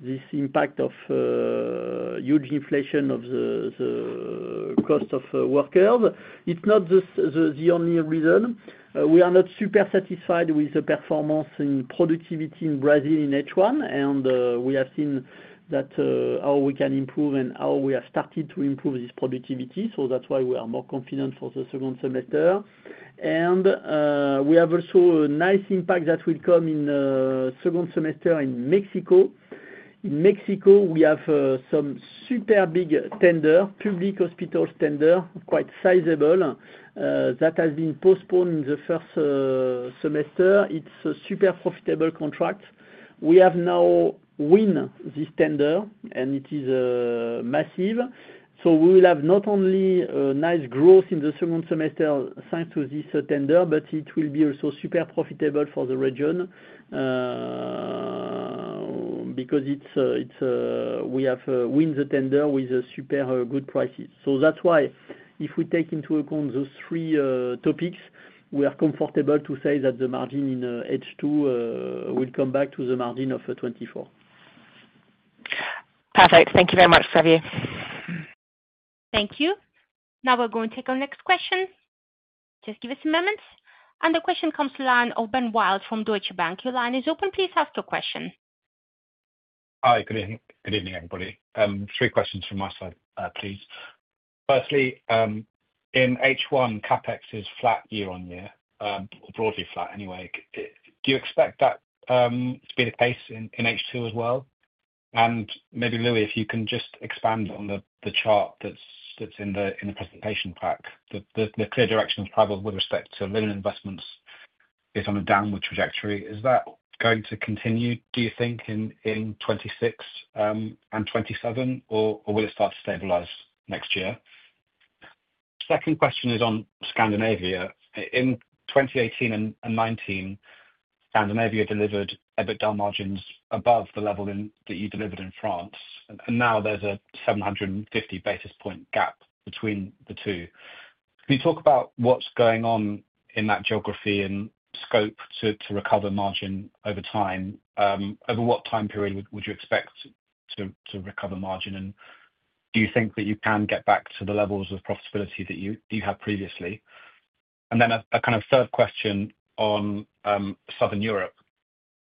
[SPEAKER 2] this impact of huge inflation of the cost of workers. It's not the only reason we are not super satisfied with the performance in productivity in Brazil in H1. We have seen how we can improve and how we have started to improve this productivity. That's why we are more confident for the second semester. We have also a nice impact that will come in the second semester in Mexico. In Mexico we have some super big public hospitals tender, quite sizable, that has been postponed in the first semester. It's a super profitable contract. We have now won this tender and it is massive. We will have not only nice growth in the second semester thanks to this tender, but it will be also super profitable for the region because we have won the tender with super good prices. If we take into account those three topics, we are comfortable to say that the margin in H2 will come back to the margin of 2024.
[SPEAKER 4] Perfect. Thank you very much, Xavier.
[SPEAKER 1] Thank you. Now we're going to take our next question. Just give us a moment. The question comes to the line of Ben Wild from Deutsche Bank. Your line is open. Please ask your question.
[SPEAKER 5] Hi, good evening everybody. Three questions from my side, please. Firstly, in H1 CapEx is flat year-on-year, broadly flat. Anyway, do you expect that to be the case in H2 as well? Maybe, Louis, if you can just expand on the chart that's in the presentation pack. The clear direction of travel with respect to Linen investments is on a downward trajectory. Is that going to continue, do you think, in 2026 and 2027 or will it start to stabilize next year? Second question is on Scandinavia. In 2018 and 2019, Scandinavia delivered EBITDA margins above the level that you delivered in France. Now there's a 750 basis point gap between the two. Can you talk about what's going on in that geography and scope to recover margin over time? Over what time period would you expect to recover margin? Do you think that you can get back to the levels of profitability that you have previously? Then a kind of third question. On Southern Europe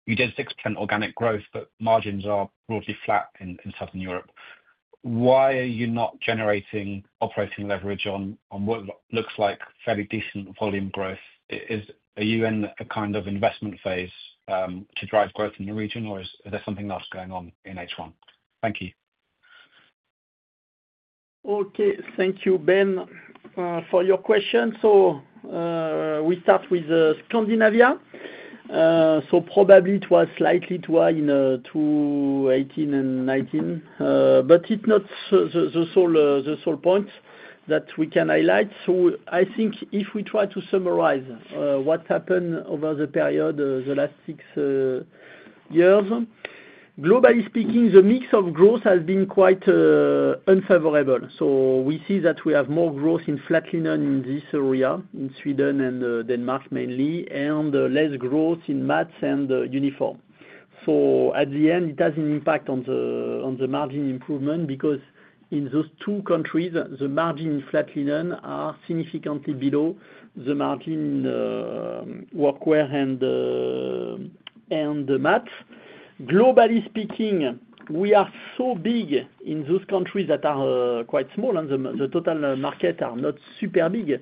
[SPEAKER 5] you did 6% organic growth, but margins are broadly flat in Southern Europe. Why are you not generating operating leverage on what looks like fairly decent volume growth? Are you in a kind of investment phase to drive growth in the region or is there something else going on in H1? Thank you.
[SPEAKER 2] Okay, thank you Ben, for your question. We start with Scandinavia. Probably it was slightly in 2018 and 2019, but it is not the sole point that we can highlight. I think if we try to summarize what happened over the period, the last six years, globally speaking, the mix of growth has been quite unfavorable. We see that we have more growth in flat linen in this area, in Sweden and Denmark mainly, and less growth in mats and uniform. At the end, it has an impact on the margin environment improvement because in those two countries the margin for flat linen is significantly below the margin for workwear and mats. Globally speaking, we are so big in those countries that are quite small and the total market is not super big.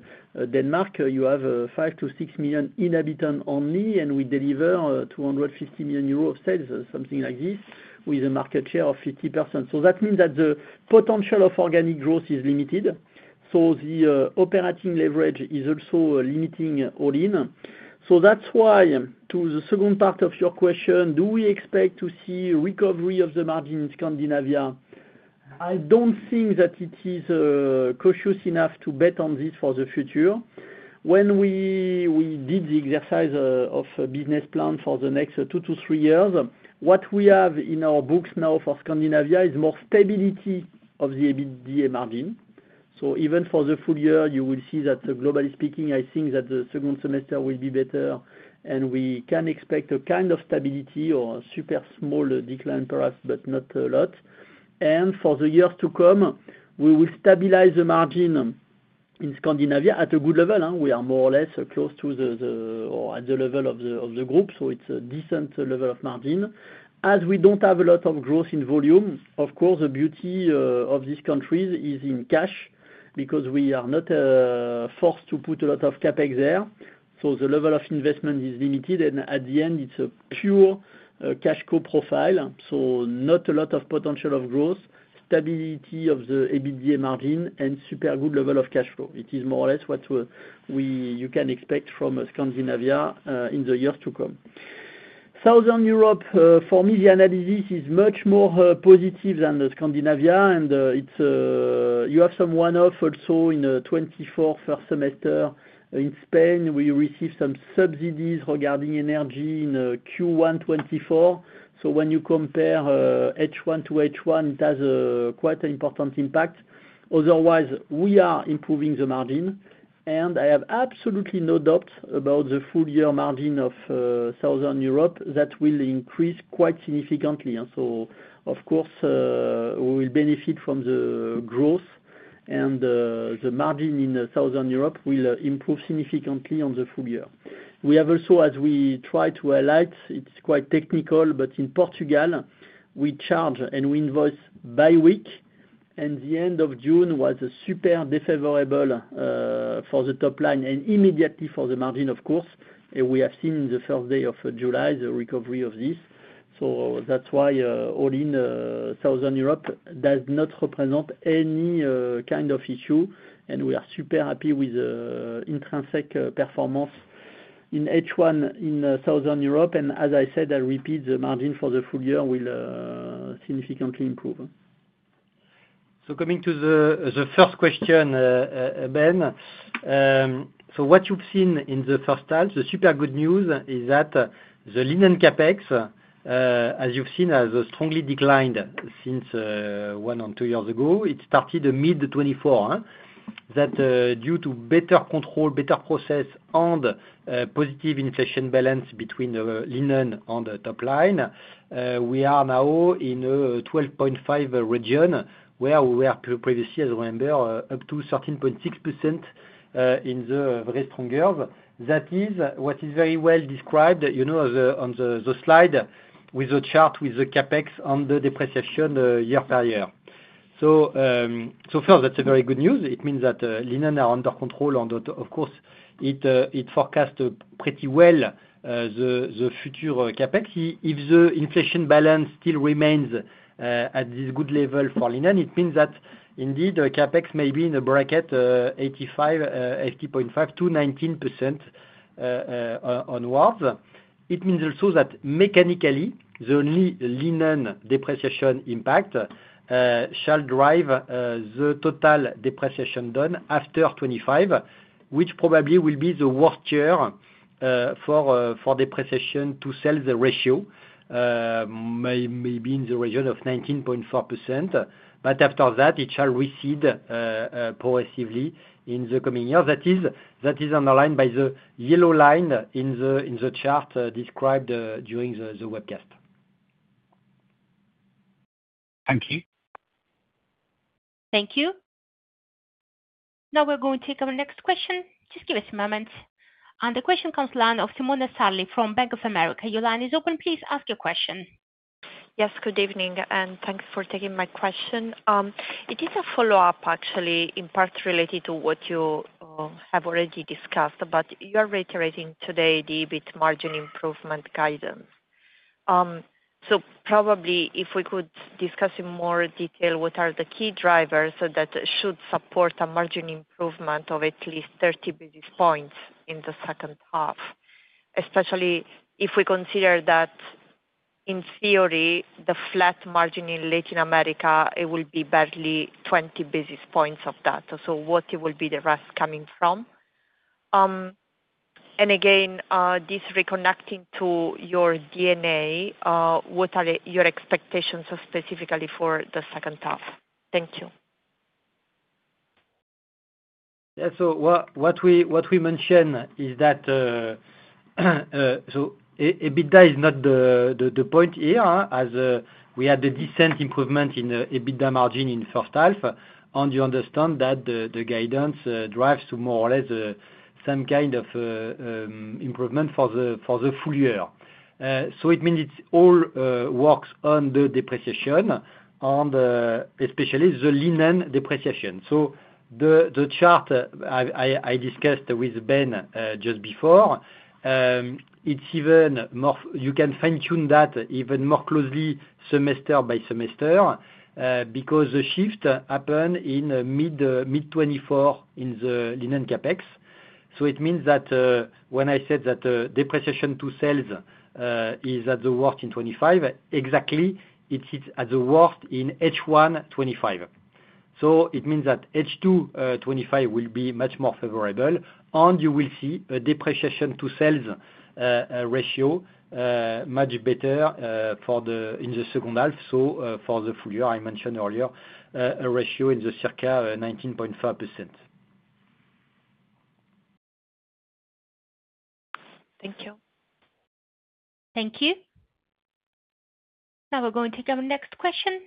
[SPEAKER 2] Denmark, you have 5-6 million inhabitants only, and we deliver 200 ft, something like this, with a market share of 50%. That means that the potential of organic growth is limited. The operating leverage is also limiting. That is why, to the second part of your question, do we expect to see recovery of the margin in Scandinavia? I don't think that it is cautious enough to bet on this for the future. When we did the exercise of business plan for the next two to three years, what we have in our books now for Scandinavia is more stability of the EBITDA margin. Even for the full year, you will see that globally speaking, I think that the second semester will be better and we can expect a kind of stability or super small decline perhaps, but not a lot. For the years to come, we will stabilize the margin in Scandinavia at a good level. We are more or less close to or at the level of the group, so it's a decent level of margin as we don't have a lot of growth in volume. The beauty of these countries is in cash because we are not forced to put a lot of CapEx there. The level of investment is limited and at the end it's a pure cash co profile. Not a lot of potential of growth, stability of the EBITDA margin, and super good level of cash flow. It is more or less what you can expect from Scandinavia in the years to come. Southern Europe, for me, the analysis is much more positive than Scandinavia. You have some one-off also in the 2024 first semester. In Spain, we received some subsidies regarding energy in Q1 2024. When you compare H1 to H1, it does have quite an important impact. Otherwise we are improving the margin, and I have absolutely no doubt about the full year margin of Southern Europe that will increase quite significantly. Of course, we will benefit from the growth, and the margin in Southern Europe will improve significantly. We have also, as we try to highlight, it's quite technical, but in Portugal we charge and we invoice by week, and the end of June was super favorable for the top line and immediately for the margin. Of course, we have seen in the first day of July the recovery of this. That's why all in Southern Europe does not represent any kind of issue. We are super happy with intrinsic performance in H1 in Southern Europe. As I said, I repeat, the margin for the full year will significantly improve.
[SPEAKER 3] Coming to the first question, Ben, what you've seen in the first half, the super good news is that the Linen CapEx, as you've seen, has strongly declined since one or two years ago. It started mid 2024. That, due to better control, better process, and positive inflation balance between linen on the top line, we are now in the 12.5% region where we were previously, as a member, up to 13.6% in the very strong curve. That is what is very well described on the slide with the chart with the CapEx on the depreciation year per year so far. That's very good news. It means that linen are under control, and of course it forecasts pretty well the future CapEx. If the inflation balance still remains at this good level for linen, it means that indeed the CapEx may be in the bracket, 85 million, 80.5 million to 90 million onwards. It means also that mechanically the only linen depreciation impact shall drive the total depreciation done after 2025, which probably will be the worst year for depreciation to sell. The ratio may be in the region of 19.4%, but after that it shall recede progressively in the coming years. That is underlined by the yellow line in the chart described during the webcast.
[SPEAKER 5] Thank you.
[SPEAKER 1] Thank you. Now we're going to take our next question. Just give us a moment. The question comes from the line of Simona Sarli from Bank of America. Your line is open. Please ask your question.
[SPEAKER 6] Yes, good evening and thanks for taking my question. It is a follow-up actually in part related to what you have already discussed, but you are reiterating today the EBIT margin improvement guidance. Could we discuss in more detail what are the key drivers that should support a margin improvement of at least 30 basis points in the second half, especially if we consider that in theory the flat margin in Latin America will be barely 20 basis points of data? What will the rest be coming from? Again, reconnecting to your D&A, what are your expectations specifically for the second half? Thank you.
[SPEAKER 3] What we mentioned is that. EBITDA. Is not the point here as we had a decent improvement in EBITDA margin in first half, and you understand that the guidance drives to more or less some kind of improvement for the full year. It means it all works on the depreciation and especially the linen depreciation. The chart I discussed with Ben just before, you can fine tune that even more closely semester by semester because the shift happened in mid 2024 in the Linen CapEx. It means that when I said that depreciation to sales is at the worst in 2025 exactly, it is at the worst in H1 2025. It means that H2 2025 will be much more favorable, and you will see a depreciation to sales ratio much better in the second half. For the full year I mentioned earlier a ratio in the circa 19.5%.
[SPEAKER 6] Thank you.
[SPEAKER 1] Thank you. Now we're going to the next question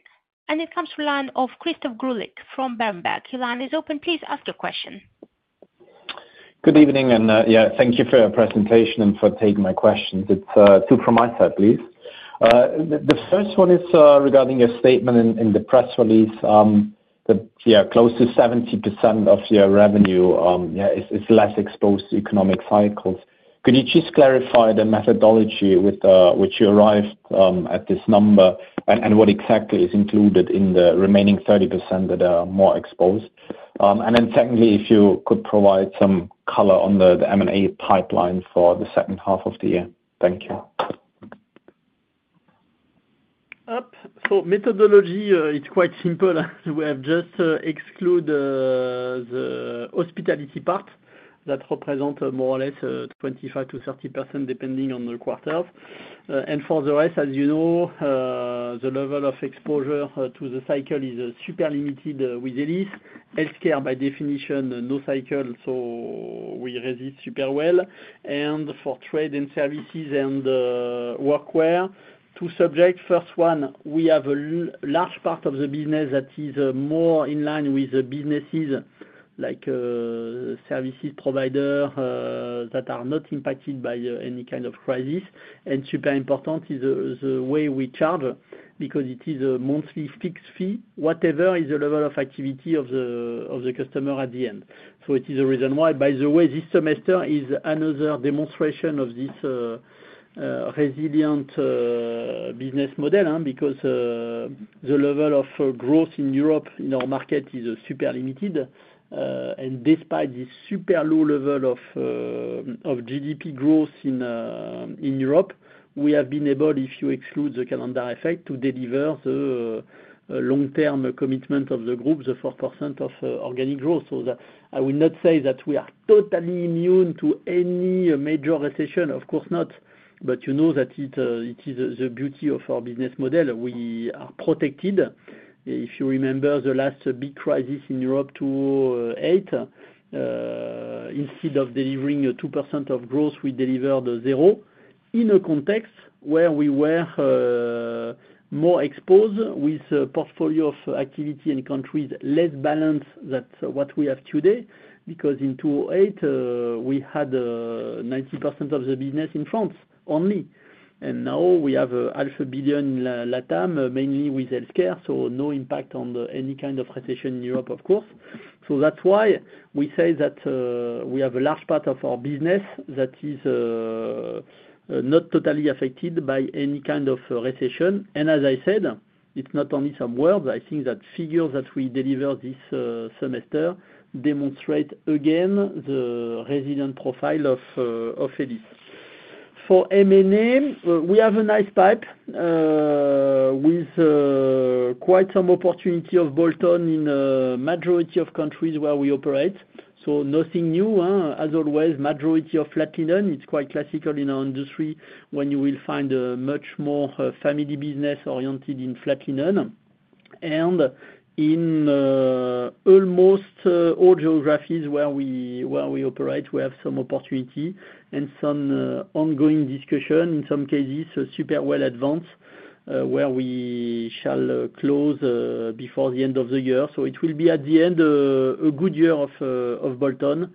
[SPEAKER 1] and it comes from the line of Christoph Greulich from Berenberg. Your line is open. Please ask your question.
[SPEAKER 7] Good evening, and thank you for your presentation and for taking my questions. It's two from my side, please. The first one is regarding your statement in the press release. Close to 70% of your revenue is less exposed to economic cycles. Could you just clarify the methodology with which you arrived at this number? What exactly is included in the remaining? 30% that are more exposed? Secondly, if you could provide some color on the M&A pipeline for the second half of the year. Thank you.
[SPEAKER 2] Methodology, it's quite simple. We have just excluded the hospitality part that represents more or less 25% to 30% depending on the quarters. For the rest, as you know, the level of exposure to the cycle is super limited. With Elis health care, by definition no cycle. We resist super well. For trade and services and workwear, two subjects. First one, we have a large part of the business that is more in line with businesses like services provider that are not impacted by any kind of crisis. Super important is the way we charge because it is a monthly fixed fee, whatever is the level of activity of the customer at the end. It is the reason why, by the way, this semester is another demonstration of this resilient business model. The level of growth in Europe in our market is super limited. Despite this super low level of GDP growth in Europe, we have been able, if you exclude the calendar effect, to deliver the long-term commitment of the group, the 4% of organic growth. I will not say that we are totally immune to any major recession. Of course not. You know that it is the beauty of our business model. We are protected. If you remember the last big crisis in Europe, 2008, instead of delivering 2% of growth, we delivered zero in a context where we were more exposed with portfolio of activity in countries less balanced than what we have today. In 2008 we had 90% of the business in France only. Now we have half a billion in LATAM, mainly with health care. No impact on any kind of recession in Europe, of course. That is why we say that we have a large part of our business that is not totally affected by any kind of recession. As I said, it's not only some words. I think that figures that we deliver this semester demonstrate again the resilient profile of Elis. For M&A, we have a nice pipe with quite some opportunity of Bolt-on in majority of countries where we operate. Nothing new as always, majority of flat linen. It's quite classical in our industry. You will find much more family business oriented in flat linen and in almost all geographies where we operate. We have some opportunity and some ongoing discussion, in some cases super well advanced, where we shall close before the end of the year. It will be at the end a good year of Bolt-on.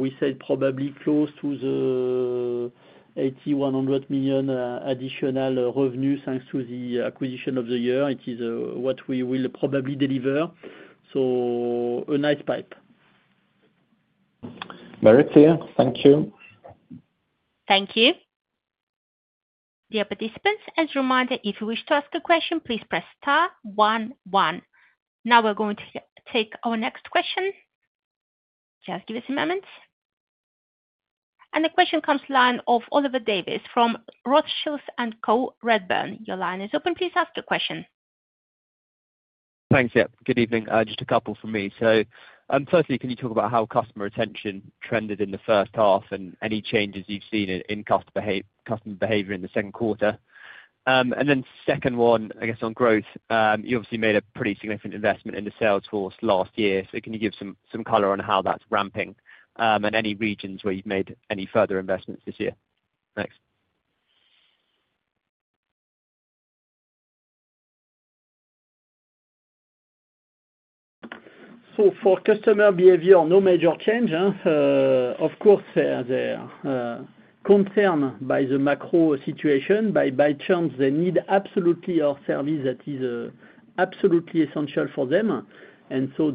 [SPEAKER 2] We said probably close to the 80 million-100 million additional revenue thanks to the acquisition of the year. It is what we will probably deliver. A nice pipe.
[SPEAKER 7] Very clear. Thank you.
[SPEAKER 1] Thank you. Dear participants, as a reminder, if you wish to ask a question, please press star one one. We are going to take our next question. Just give us a moment. The question comes from the line of Ollie Davies from Rothschild & Co. Redburn. Your line is open. Please ask a question.
[SPEAKER 8] Thanks. Yep. Good evening. Just a couple from me. Firstly, can you talk about how customer retention trended in the first half and any changes you've seen in customer behavior in the second quarter? The second one, I guess on growth, you obviously made a pretty significant investment in the sales force last year. Can you give some color on how that's ramping, and any regions where you've made any further investments this year, next?
[SPEAKER 2] For customer behavior, no major change. Of course they are concerned by the macro situation. By chance they need absolutely a service that is absolutely essential for them.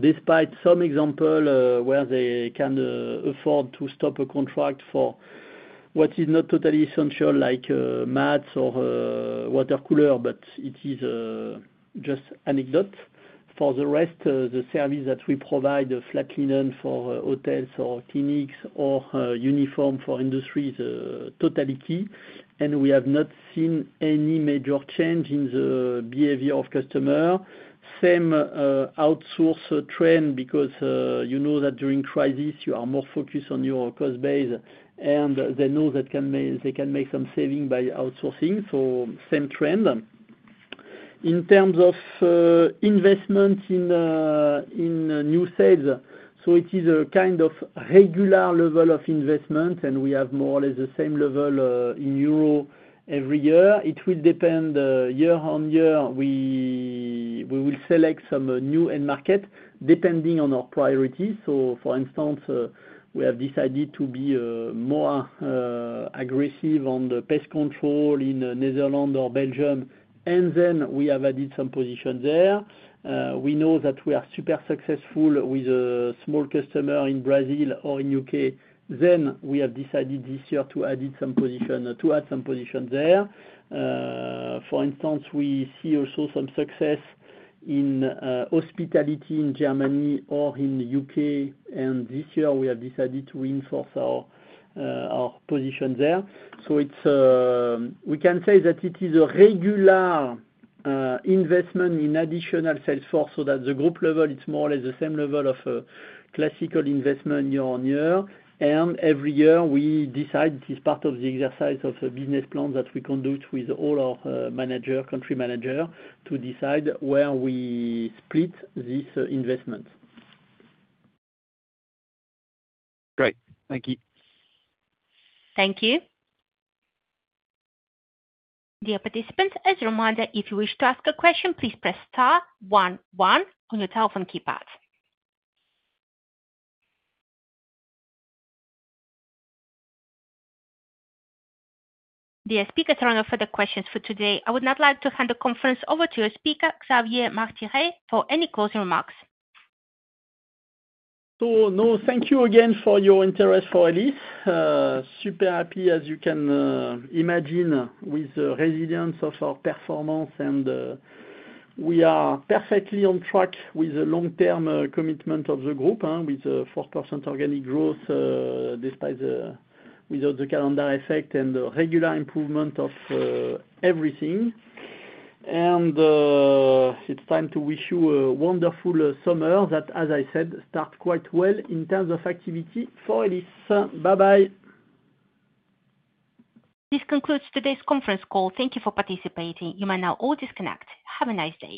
[SPEAKER 2] Despite some example where they can afford to stop a contract for what is not totally essential, like mats or water cooler, it is just anecdote. For the rest, the service that we provide, flat linen for hotels or clinics, or uniform for industry is totally key. We have not seen any major change in the behavior of customer. Same outcome, outsource trend because you know that during crisis you are more focused on your cost base and they know that they can make some saving by outsourcing. Same trend in terms of investment in new sales. It is a kind of regular level of investment and we have more or less the same level in euro every year. It will depend year-on-year, we will select some new end market depending on our priorities. For instance, we have decided to be more aggressive on the pest control in Netherlands or Belgium, and then we have added some position there. We know that we are super successful with a small customer in Brazil or in U.K.. We have decided this year to add some position there. For instance, we see also some success in hospitality in Germany or in the U.K., and this year we have decided to reinforce our position there. We can say that it is a regular investment in additional salesforce so that at the group level it's more or less the same level of classical investment year-on-year. Every year we decide as part of the exercise of a business plan that we conduct with all our managers, country manager, to decide where we split this investment.
[SPEAKER 3] Great, thank you.
[SPEAKER 1] Thank you. Dear participants, as a reminder, if you wish to ask a question, please press on your telephone keypad. Dear speakers, there are no further questions for today. I would now like to hand the conference over to your speaker, Xavier Martiré, for any closing remarks.
[SPEAKER 2] Thank you again for your interest. For Elis, super happy as you can imagine, with the resilience of our performance. We are perfectly on track with the long term commitment of the group with 4% organic growth, despite the calendar effect and the regular improvement of everything. It's time to wish you a wonderful summer that, as I said, starts quite well in terms of activity for Elis. Bye bye.
[SPEAKER 1] This concludes today's conference call. Thank you for participating. You may now all disconnect. Have a nice day.